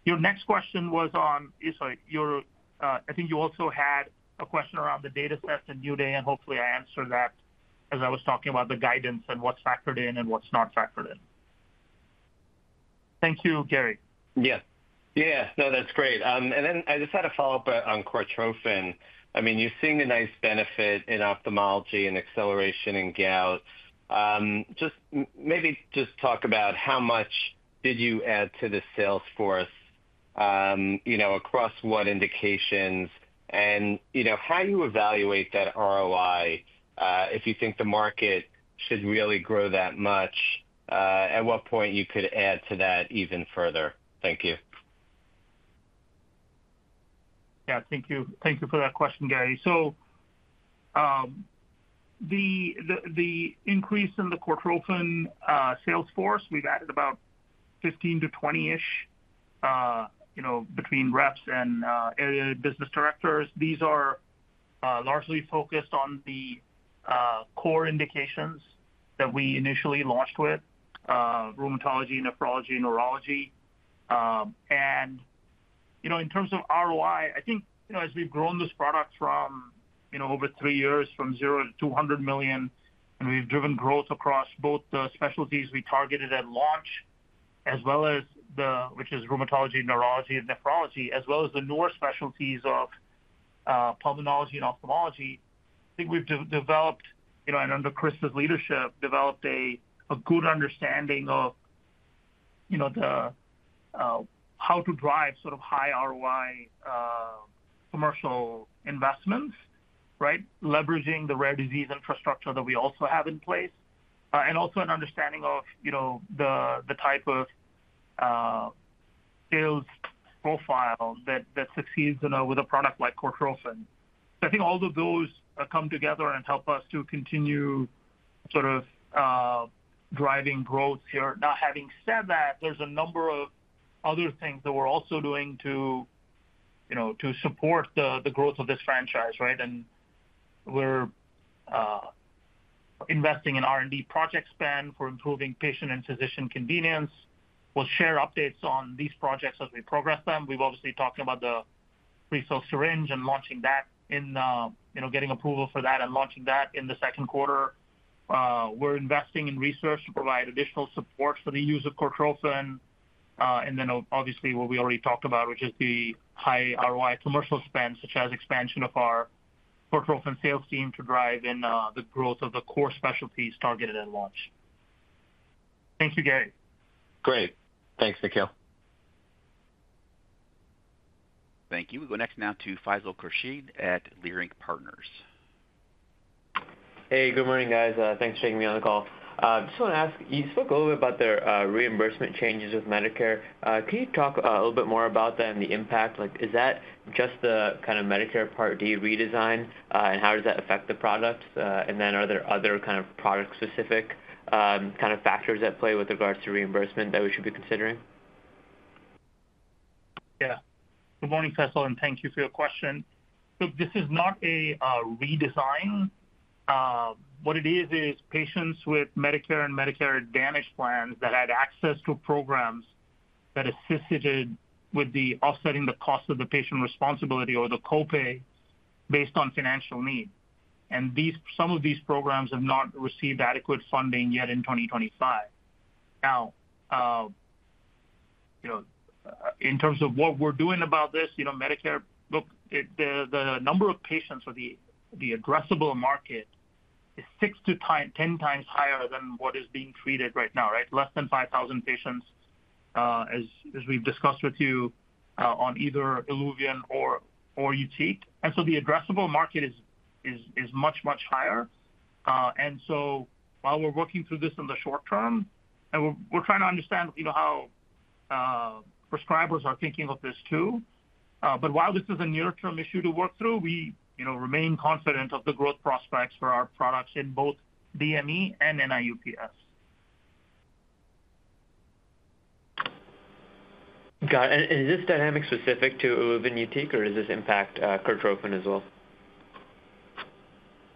Your next question was on, sorry, I think you also had a question around the data sets and New Day, and hopefully I answered that as I was talking about the guidance and what's factored in and what's not factored in. Thank you, Gary. Yeah. Yeah. No, that's great. I just had a follow-up on Cortrophin. I mean, you're seeing a nice benefit in ophthalmology and acceleration in gout. Just maybe just talk about how much did you add to the sales force across what indications and how you evaluate that ROI if you think the market should really grow that much, at what point you could add to that even further. Thank you. Thank you for that question, Gary. The increase in the Cortrophin sales force, we've added about 15-20-ish between reps and area business directors. These are largely focused on the core indications that we initially launched with: rheumatology, nephrology, neurology. In terms of ROI, I think as we've grown this product from over three years from 0 to $200 million, and we've driven growth across both the specialties we targeted at launch, which is rheumatology, neurology, and nephrology, as well as the newer specialties of pulmonology and ophthalmology, I think we've developed, and under Chris's leadership, developed a good understanding of how to drive sort of high ROI commercial investments, right, leveraging the rare disease infrastructure that we also have in place, and also an understanding of the type of sales profile that succeeds with a product like Cortrophin. I think all of those come together and help us to continue sort of driving growth here. Now, having said that, there's a number of other things that we're also doing to support the growth of this franchise, right? We're investing in R&D project spend for improving patient and physician convenience. We'll share updates on these projects as we progress them. We've obviously talked about the prefilled syringe and launching that, getting approval for that and launching that in the second quarter. We're investing in research to provide additional support for the use of Cortrophin. What we already talked about, which is the high ROI commercial spend, such as expansion of our Cortrophin sales team to drive the growth of the core specialties targeted at launch. Thank you, Gary. Great. Thanks, Nikhil. Thank you. We go next now to Faisal Khurshid at Leerink Partners. Hey, good morning, guys. Thanks for taking me on the call. I just want to ask, you spoke a little bit about the reimbursement changes with Medicare. Can you talk a little bit more about that and the impact? Is that just the kind of Medicare Part D redesign, and how does that affect the product? Are there other kind of product-specific kind of factors at play with regards to reimbursement that we should be considering? Yeah. Good morning, Faisal, and thank you for your question. Look, this is not a redesign. What it is, is patients with Medicare and Medicare Advantage plans that had access to programs that assisted with offsetting the cost of the patient responsibility or the copay based on financial need. Some of these programs have not received adequate funding yet in 2025. Now, in terms of what we're doing about this, Medicare, look, the number of patients for the addressable market is six to 10x higher than what is being treated right now, right? Less than 5,000 patients, as we've discussed with you, on either ILUVIEN or YUTIQ. The addressable market is much, much higher. While we're working through this in the short term, we're trying to understand how prescribers are thinking of this too. While this is a near-term issue to work through, we remain confident of the growth prospects for our products in both DME and NIU-PS. Got it. Is this dynamic specific to ILUVIEN and YUTIQ or does this impact Cortrophin as well?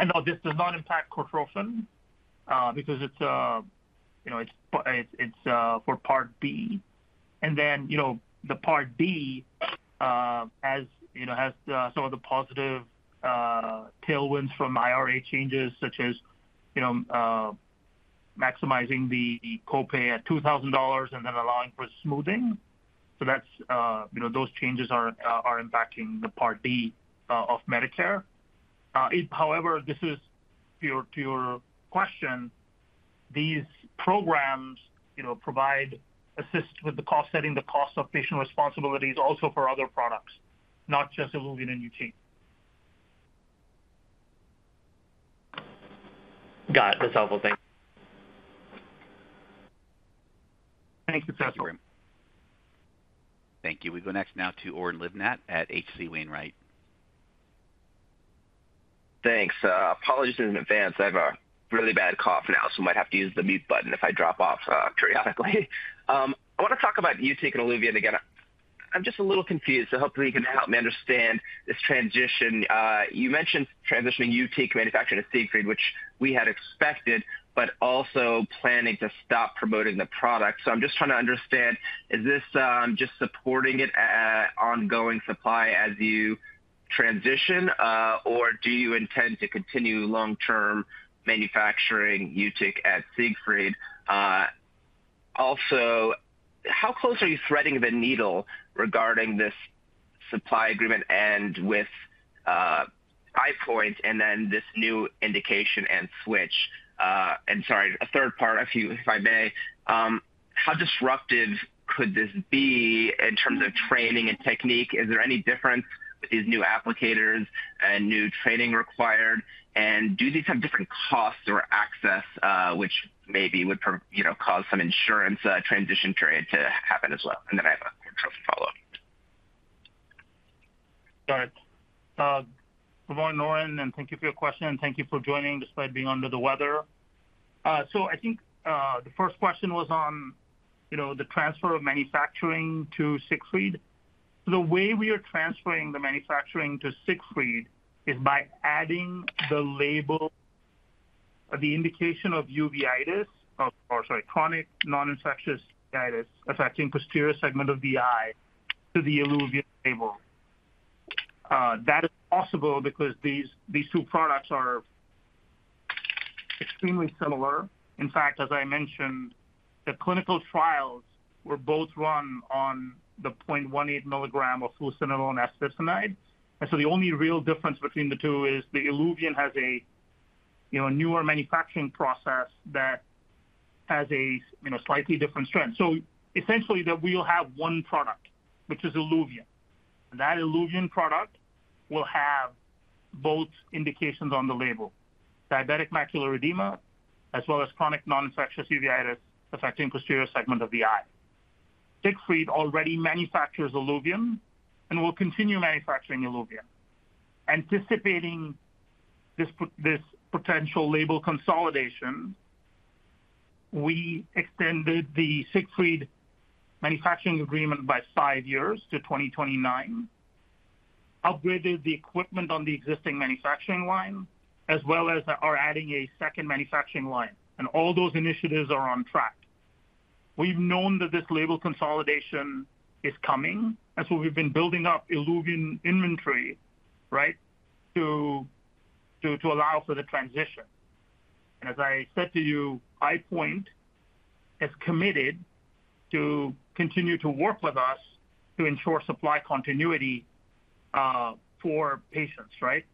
No, this does not impact Cortrophin because it's for Part B. Part B has some of the positive tailwinds from IRA changes, such as maximizing the copay at $2,000 and allowing for smoothing. Those changes are impacting the Part B of Medicare. However, this is to your question, these programs provide assist with the cost-setting, the cost of patient responsibilities also for other products, not just ILUVIEN and YUTIQ. Got it. That's helpful. Thanks. Thank you, Faisal. Thank you. We go next now to Oren Livnat at H.C. Wainwright. Thanks. Apologies in advance. I have a really bad cough now, so I might have to use the mute button if I drop off periodically. I want to talk about YUTIQ and ILUVIEN again. I'm just a little confused, so hopefully you can help me understand this transition. You mentioned transitioning YUTIQ manufacturing to Siegfried, which we had expected, but also planning to stop promoting the product. I'm just trying to understand, is this just supporting its ongoing supply as you transition, or do you intend to continue long-term manufacturing YUTIQ at Siegfried? Also, how close are you threading the needle regarding this supply agreement end with EyePoint and then this new indication and switch? Sorry, a third part, if I may. How disruptive could this be in terms of training and technique? Is there any difference with these new applicators and new training required? Do these have different costs or access, which maybe would cause some insurance transition period to happen as well? I have a Cortrophin follow-up. Got it. Good morning, Oren, and thank you for your question, and thank you for joining despite being under the weather. I think the first question was on the transfer of manufacturing to Siegfried. The way we are transferring the manufacturing to Siegfried is by adding the label of the indication of uveitis or, sorry, chronic non-infectious uveitis affecting posterior segment of the eye to the ILUVIEN label. That is possible because these two products are extremely similar. In fact, as I mentioned, the clinical trials were both run on the 0.18 mg of fluocinolone acetonide. The only real difference between the two is the ILUVIEN has a newer manufacturing process that has a slightly different strength. Essentially, we will have one product, which is ILUVIEN. That ILUVIEN product will have both indications on the label: diabetic macular edema as well as chronic non-infectious uveitis affecting posterior segment of the eye. Siegfried already manufactures ILUVIEN and will continue manufacturing ILUVIEN. Anticipating this potential label consolidation, we extended the Siegfried manufacturing agreement by five years to 2029, upgraded the equipment on the existing manufacturing line, as well as are adding a second manufacturing line. All those initiatives are on track. We've known that this label consolidation is coming, and we've been building up ILUVIEN inventory, right, to allow for the transition. As I said to you, EyePoint has committed to continue to work with us to ensure supply continuity for patients, right,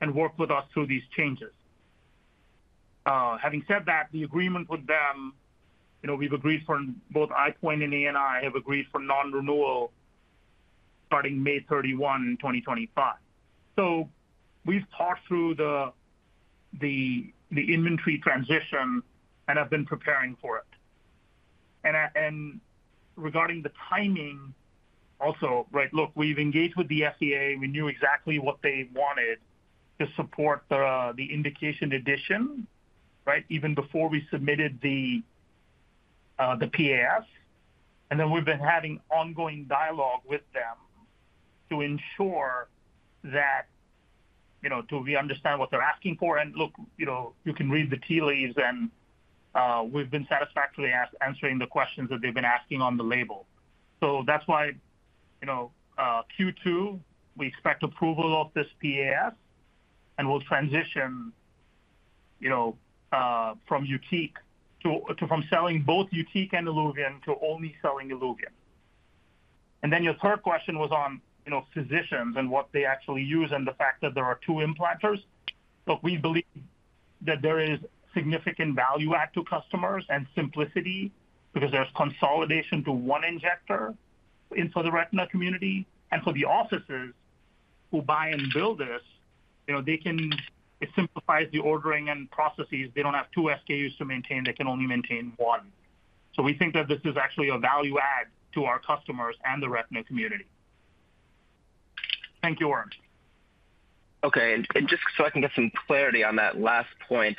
and work with us through these changes. Having said that, the agreement with them, we've agreed for both EyePoint and ANI have agreed for non-renewal starting May 31, 2025. We've talked through the inventory transition and have been preparing for it. Regarding the timing also, right, look, we've engaged with the FDA. We knew exactly what they wanted to support the indication addition, right, even before we submitted the PAS. We have been having ongoing dialogue with them to ensure that we understand what they're asking for. Look, you can read the tea leaves, and we've been satisfactorily answering the questions that they've been asking on the label. That is why Q2, we expect approval of this PAS, and we will transition from selling both YUTIQ and ILUVIEN to only selling ILUVIEN. Your third question was on physicians and what they actually use and the fact that there are two implanters. Look, we believe that there is significant value add to customers and simplicity because there is consolidation to one injector for the retina community. For the offices who buy and bill this, it simplifies the ordering and processes. They do not have two SKUs to maintain. They can only maintain one. We think that this is actually a value add to our customers and the retina community. Thank you, Oren. Okay. Just so I can get some clarity on that last point,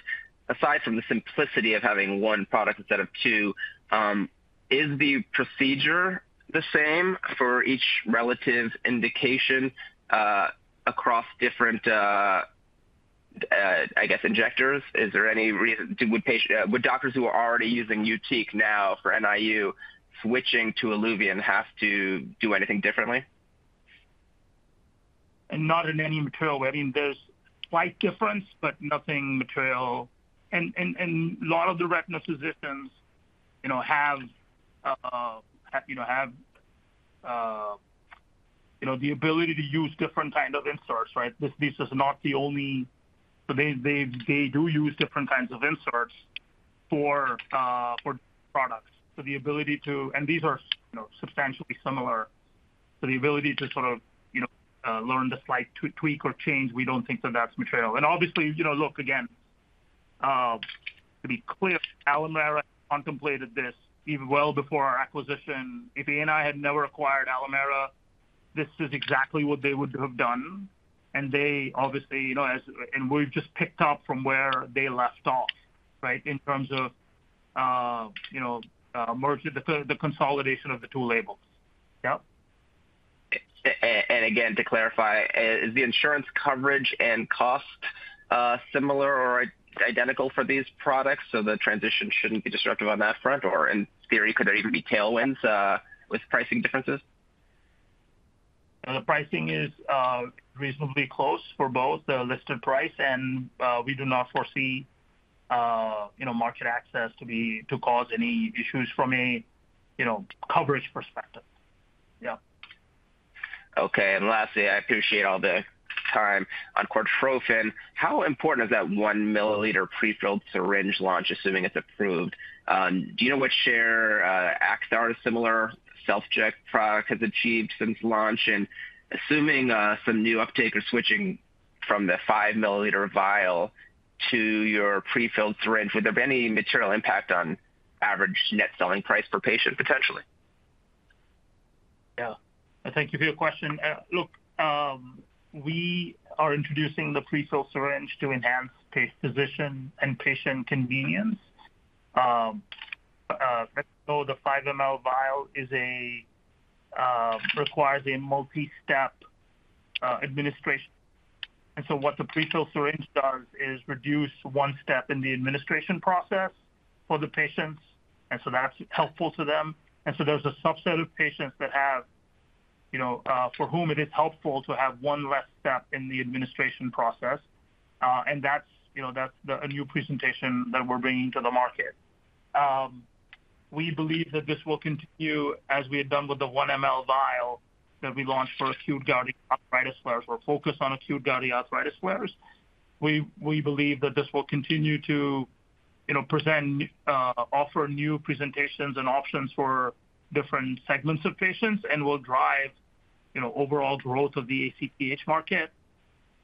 aside from the simplicity of having one product instead of two, is the procedure the same for each relative indication across different, I guess, injectors? Is there any reason? Would doctors who are already using YUTIQ now for NIU switching to ILUVIEN have to do anything differently? Not in any material. I mean, there is slight difference, but nothing material. A lot of the retina physicians have the ability to use different kinds of inserts, right? This is not the only, so they do use different kinds of inserts for products. The ability to—and these are substantially similar—the ability to sort of learn the slight tweak or change, we do not think that is material. Obviously, look, again, to be clear, Alimera contemplated this well before our acquisition. If ANI had never acquired Alimera, this is exactly what they would have done. They obviously—and we have just picked up from where they left off, right, in terms of the consolidation of the two labels. Yep. Again, to clarify, is the insurance coverage and cost similar or identical for these products? The transition should not be disruptive on that front, or in theory, could there even be tailwinds with pricing differences? The pricing is reasonably close for both the listed price, and we do not foresee market access to cause any issues from a coverage perspective. Yeah. Okay. Lastly, I appreciate all the time on Cortrophin. How important is that 1 mL prefilled syringe launch, assuming it's approved? Do you know what share Acthar Similar Self-Ject product has achieved since launch? And assuming some new uptake or switching from the 5 mL vial to your prefilled syringe, would there be any material impact on average net selling price per patient, potentially? Yeah. Thank you for your question. Look, we are introducing the prefilled syringe to enhance physician and patient convenience. The 5 mL vial requires a multi-step administration. What the prefilled syringe does is reduce one step in the administration process for the patients. That is helpful to them. There is a subset of patients for whom it is helpful to have one less step in the administration process. That is a new presentation that we're bringing to the market. We believe that this will continue as we had done with the 1 mL vial that we launched for acute gouty arthritis flares. We're focused on acute gouty arthritis flares. We believe that this will continue to present, offer new presentations and options for different segments of patients, and will drive overall growth of the ACTH market.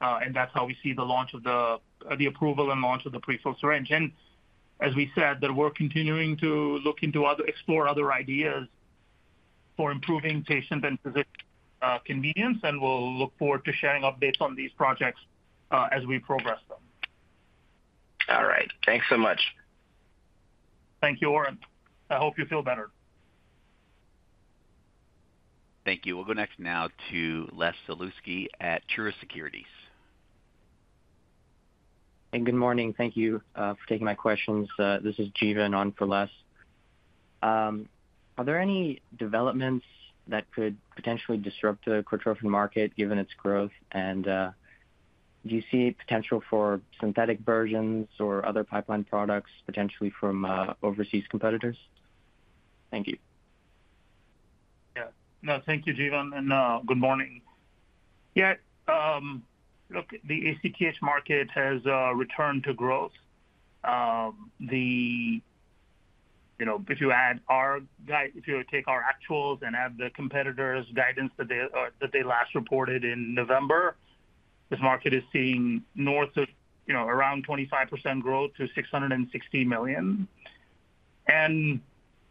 That's how we see the approval and launch of the prefilled syringe. As we said, we're continuing to look into other ideas for improving patient and physician convenience, and we'll look forward to sharing updates on these projects as we progress them. All right. Thanks so much. Thank you, Oren. I hope you feel better. Thank you. We'll go next now to Les Salusky at Truist Securities. Hey, good morning. Thank you for taking my questions. This is Jeevan on for Les. Are there any developments that could potentially disrupt the Cortrophin market given its growth? And do you see potential for synthetic versions or other pipeline products potentially from overseas competitors? Thank you. Yeah. No, thank you, Jeevan. And good morning. Yeah. Look, the ACTH market has returned to growth. If you add our—if you take our actuals and add the competitors' guidance that they last reported in November, this market is seeing north of around 25% growth to $660 million.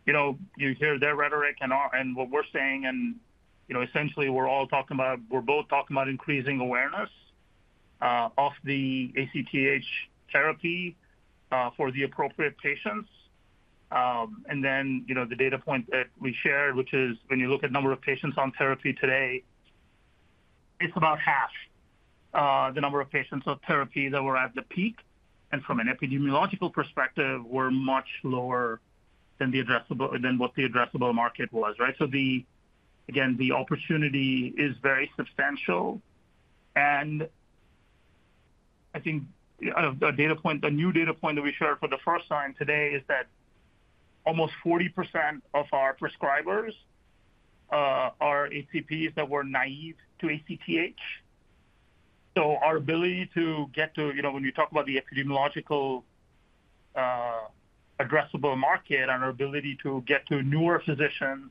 You hear their rhetoric and what we're saying. Essentially, we're all talking about—we're both talking about increasing awareness of the ACTH therapy for the appropriate patients. The data point that we shared, which is when you look at the number of patients on therapy today, it's about half the number of patients on therapy that were at the peak. From an epidemiological perspective, we're much lower than what the addressable market was, right? The opportunity is very substantial. I think a new data point that we shared for the first time today is that almost 40% of our prescribers are ACPs that were naive to ACPH. Our ability to get to—when you talk about the epidemiological addressable market and our ability to get to newer physicians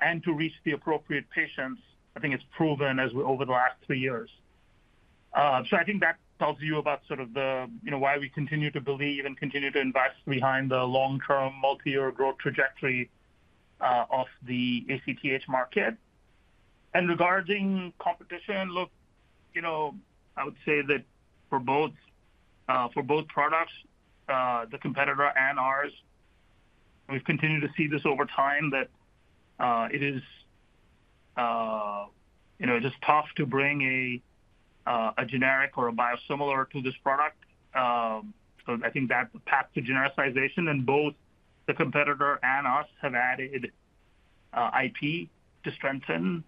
and to reach the appropriate patients, I think it's proven over the last three years. I think that tells you about sort of why we continue to believe and continue to invest behind the long-term multi-year growth trajectory of the ACPH market. Regarding competition, look, I would say that for both products, the competitor and ours, we've continued to see this over time that it is just tough to bring a generic or a biosimilar to this product. I think that path to genericization and both the competitor and us have added IP to strengthen.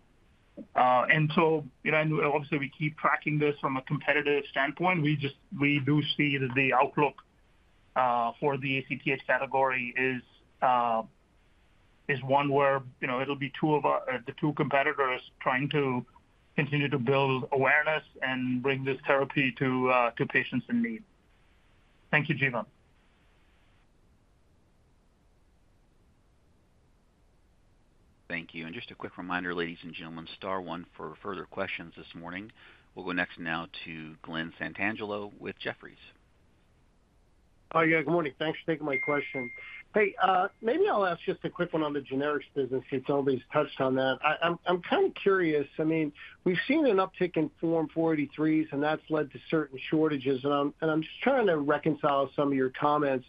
Obviously, we keep tracking this from a competitive standpoint. We do see that the outlook for the ACTH category is one where it'll be two of the two competitors trying to continue to build awareness and bring this therapy to patients in need. Thank you, Jeevan. Thank you. Just a quick reminder, ladies and gentlemen, star one for further questions this morning. We'll go next now to Glen Santangelo with Jefferies. Yeah. Good morning. Thanks for taking my question. Hey, maybe I'll ask just a quick one on the generics business since nobody's touched on that. I'm kind of curious. I mean, we've seen an uptick in Form 483s, and that's led to certain shortages. I'm just trying to reconcile some of your comments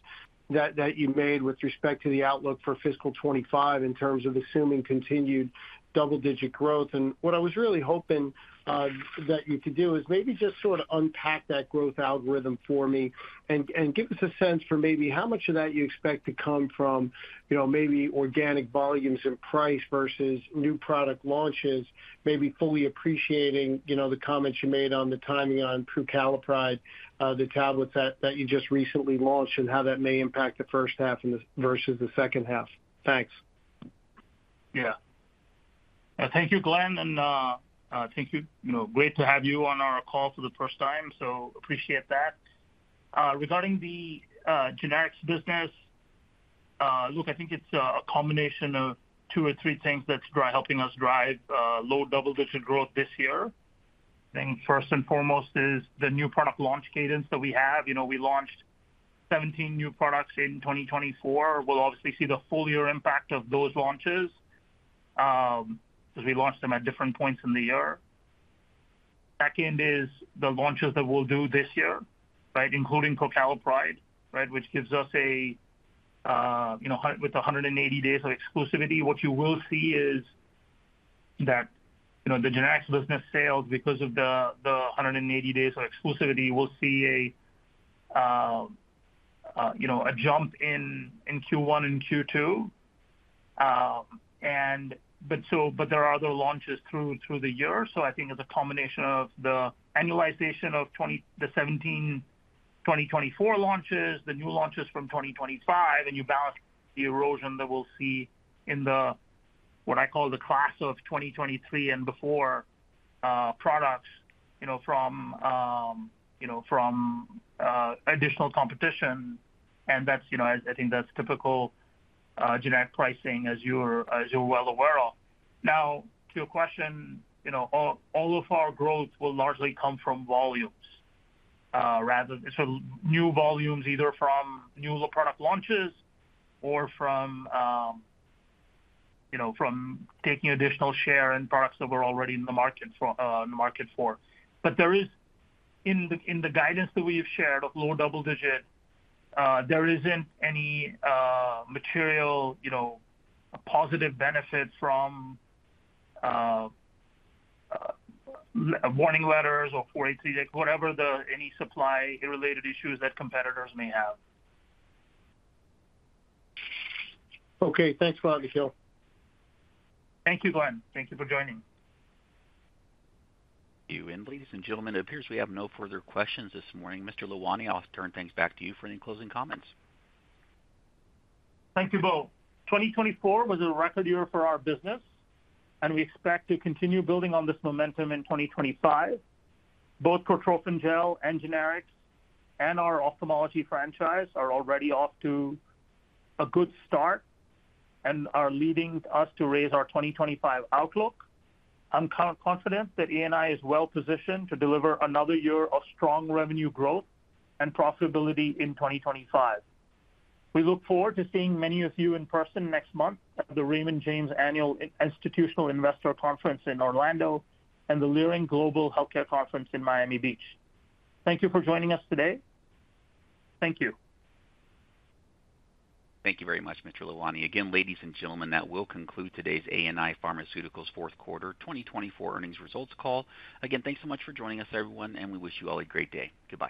that you made with respect to the outlook for fiscal 2025 in terms of assuming continued double-digit growth. What I was really hoping that you could do is maybe just sort of unpack that growth algorithm for me and give us a sense for maybe how much of that you expect to come from maybe organic volumes and price versus new product launches, maybe fully appreciating the comments you made on the timing on prucalopride, the tablets that you just recently launched, and how that may impact the first half versus the second half. Thanks. Yeah. Thank you, Glen. And thank you. Great to have you on our call for the first time. Appreciate that. Regarding the generics business, look, I think it's a combination of two or three things that's helping us drive low double-digit growth this year. I think first and foremost is the new product launch cadence that we have. We launched 17 new products in 2024. We'll obviously see the full year impact of those launches because we launched them at different points in the year. Second is the launches that we'll do this year, right, including prucalopride, right, which gives us with 180 days of exclusivity. What you will see is that the generics business sales, because of the 180 days of exclusivity, will see a jump in Q1 and Q2. There are other launches through the year. I think it's a combination of the annualization of the 2017, 2024 launches, the new launches from 2025, and you balance the erosion that we'll see in what I call the class of 2023 and before products from additional competition. I think that's typical generic pricing, as you're well aware of. Now, to your question, all of our growth will largely come from volumes. New volumes, either from new product launches or from taking additional share in products that we're already in the market for. In the guidance that we have shared of low double-digit, there isn't any material positive benefit from warning letters or 483s, whatever any supply-related issues that competitors may have. Okay. Thanks a lot, Nikhil. Thank you, Glenn. Thank you for joining. Ladies and gentlemen, it appears we have no further questions this morning. Mr. Lalwani, I'll turn things back to you for any closing comments. Thank you both. 2024 was a record year for our business, and we expect to continue building on this momentum in 2025. Both Cortrophin Gel and generics and our ophthalmology franchise are already off to a good start and are leading us to raise our 2025 outlook. I'm confident that ANI is well positioned to deliver another year of strong revenue growth and profitability in 2025. We look forward to seeing many of you in person next month at the Raymond James Annual Institutional Investor Conference in Orlando and the Leerink Global Healthcare Conference in Miami Beach. Thank you for joining us today. Thank you. Thank you very much, Mr. Lalwani. Again, ladies and gentlemen, that will conclude today's ANI Pharmaceuticals fourth quarter 2024 earnings results call. Again, thanks so much for joining us, everyone, and we wish you all a great day. Goodbye.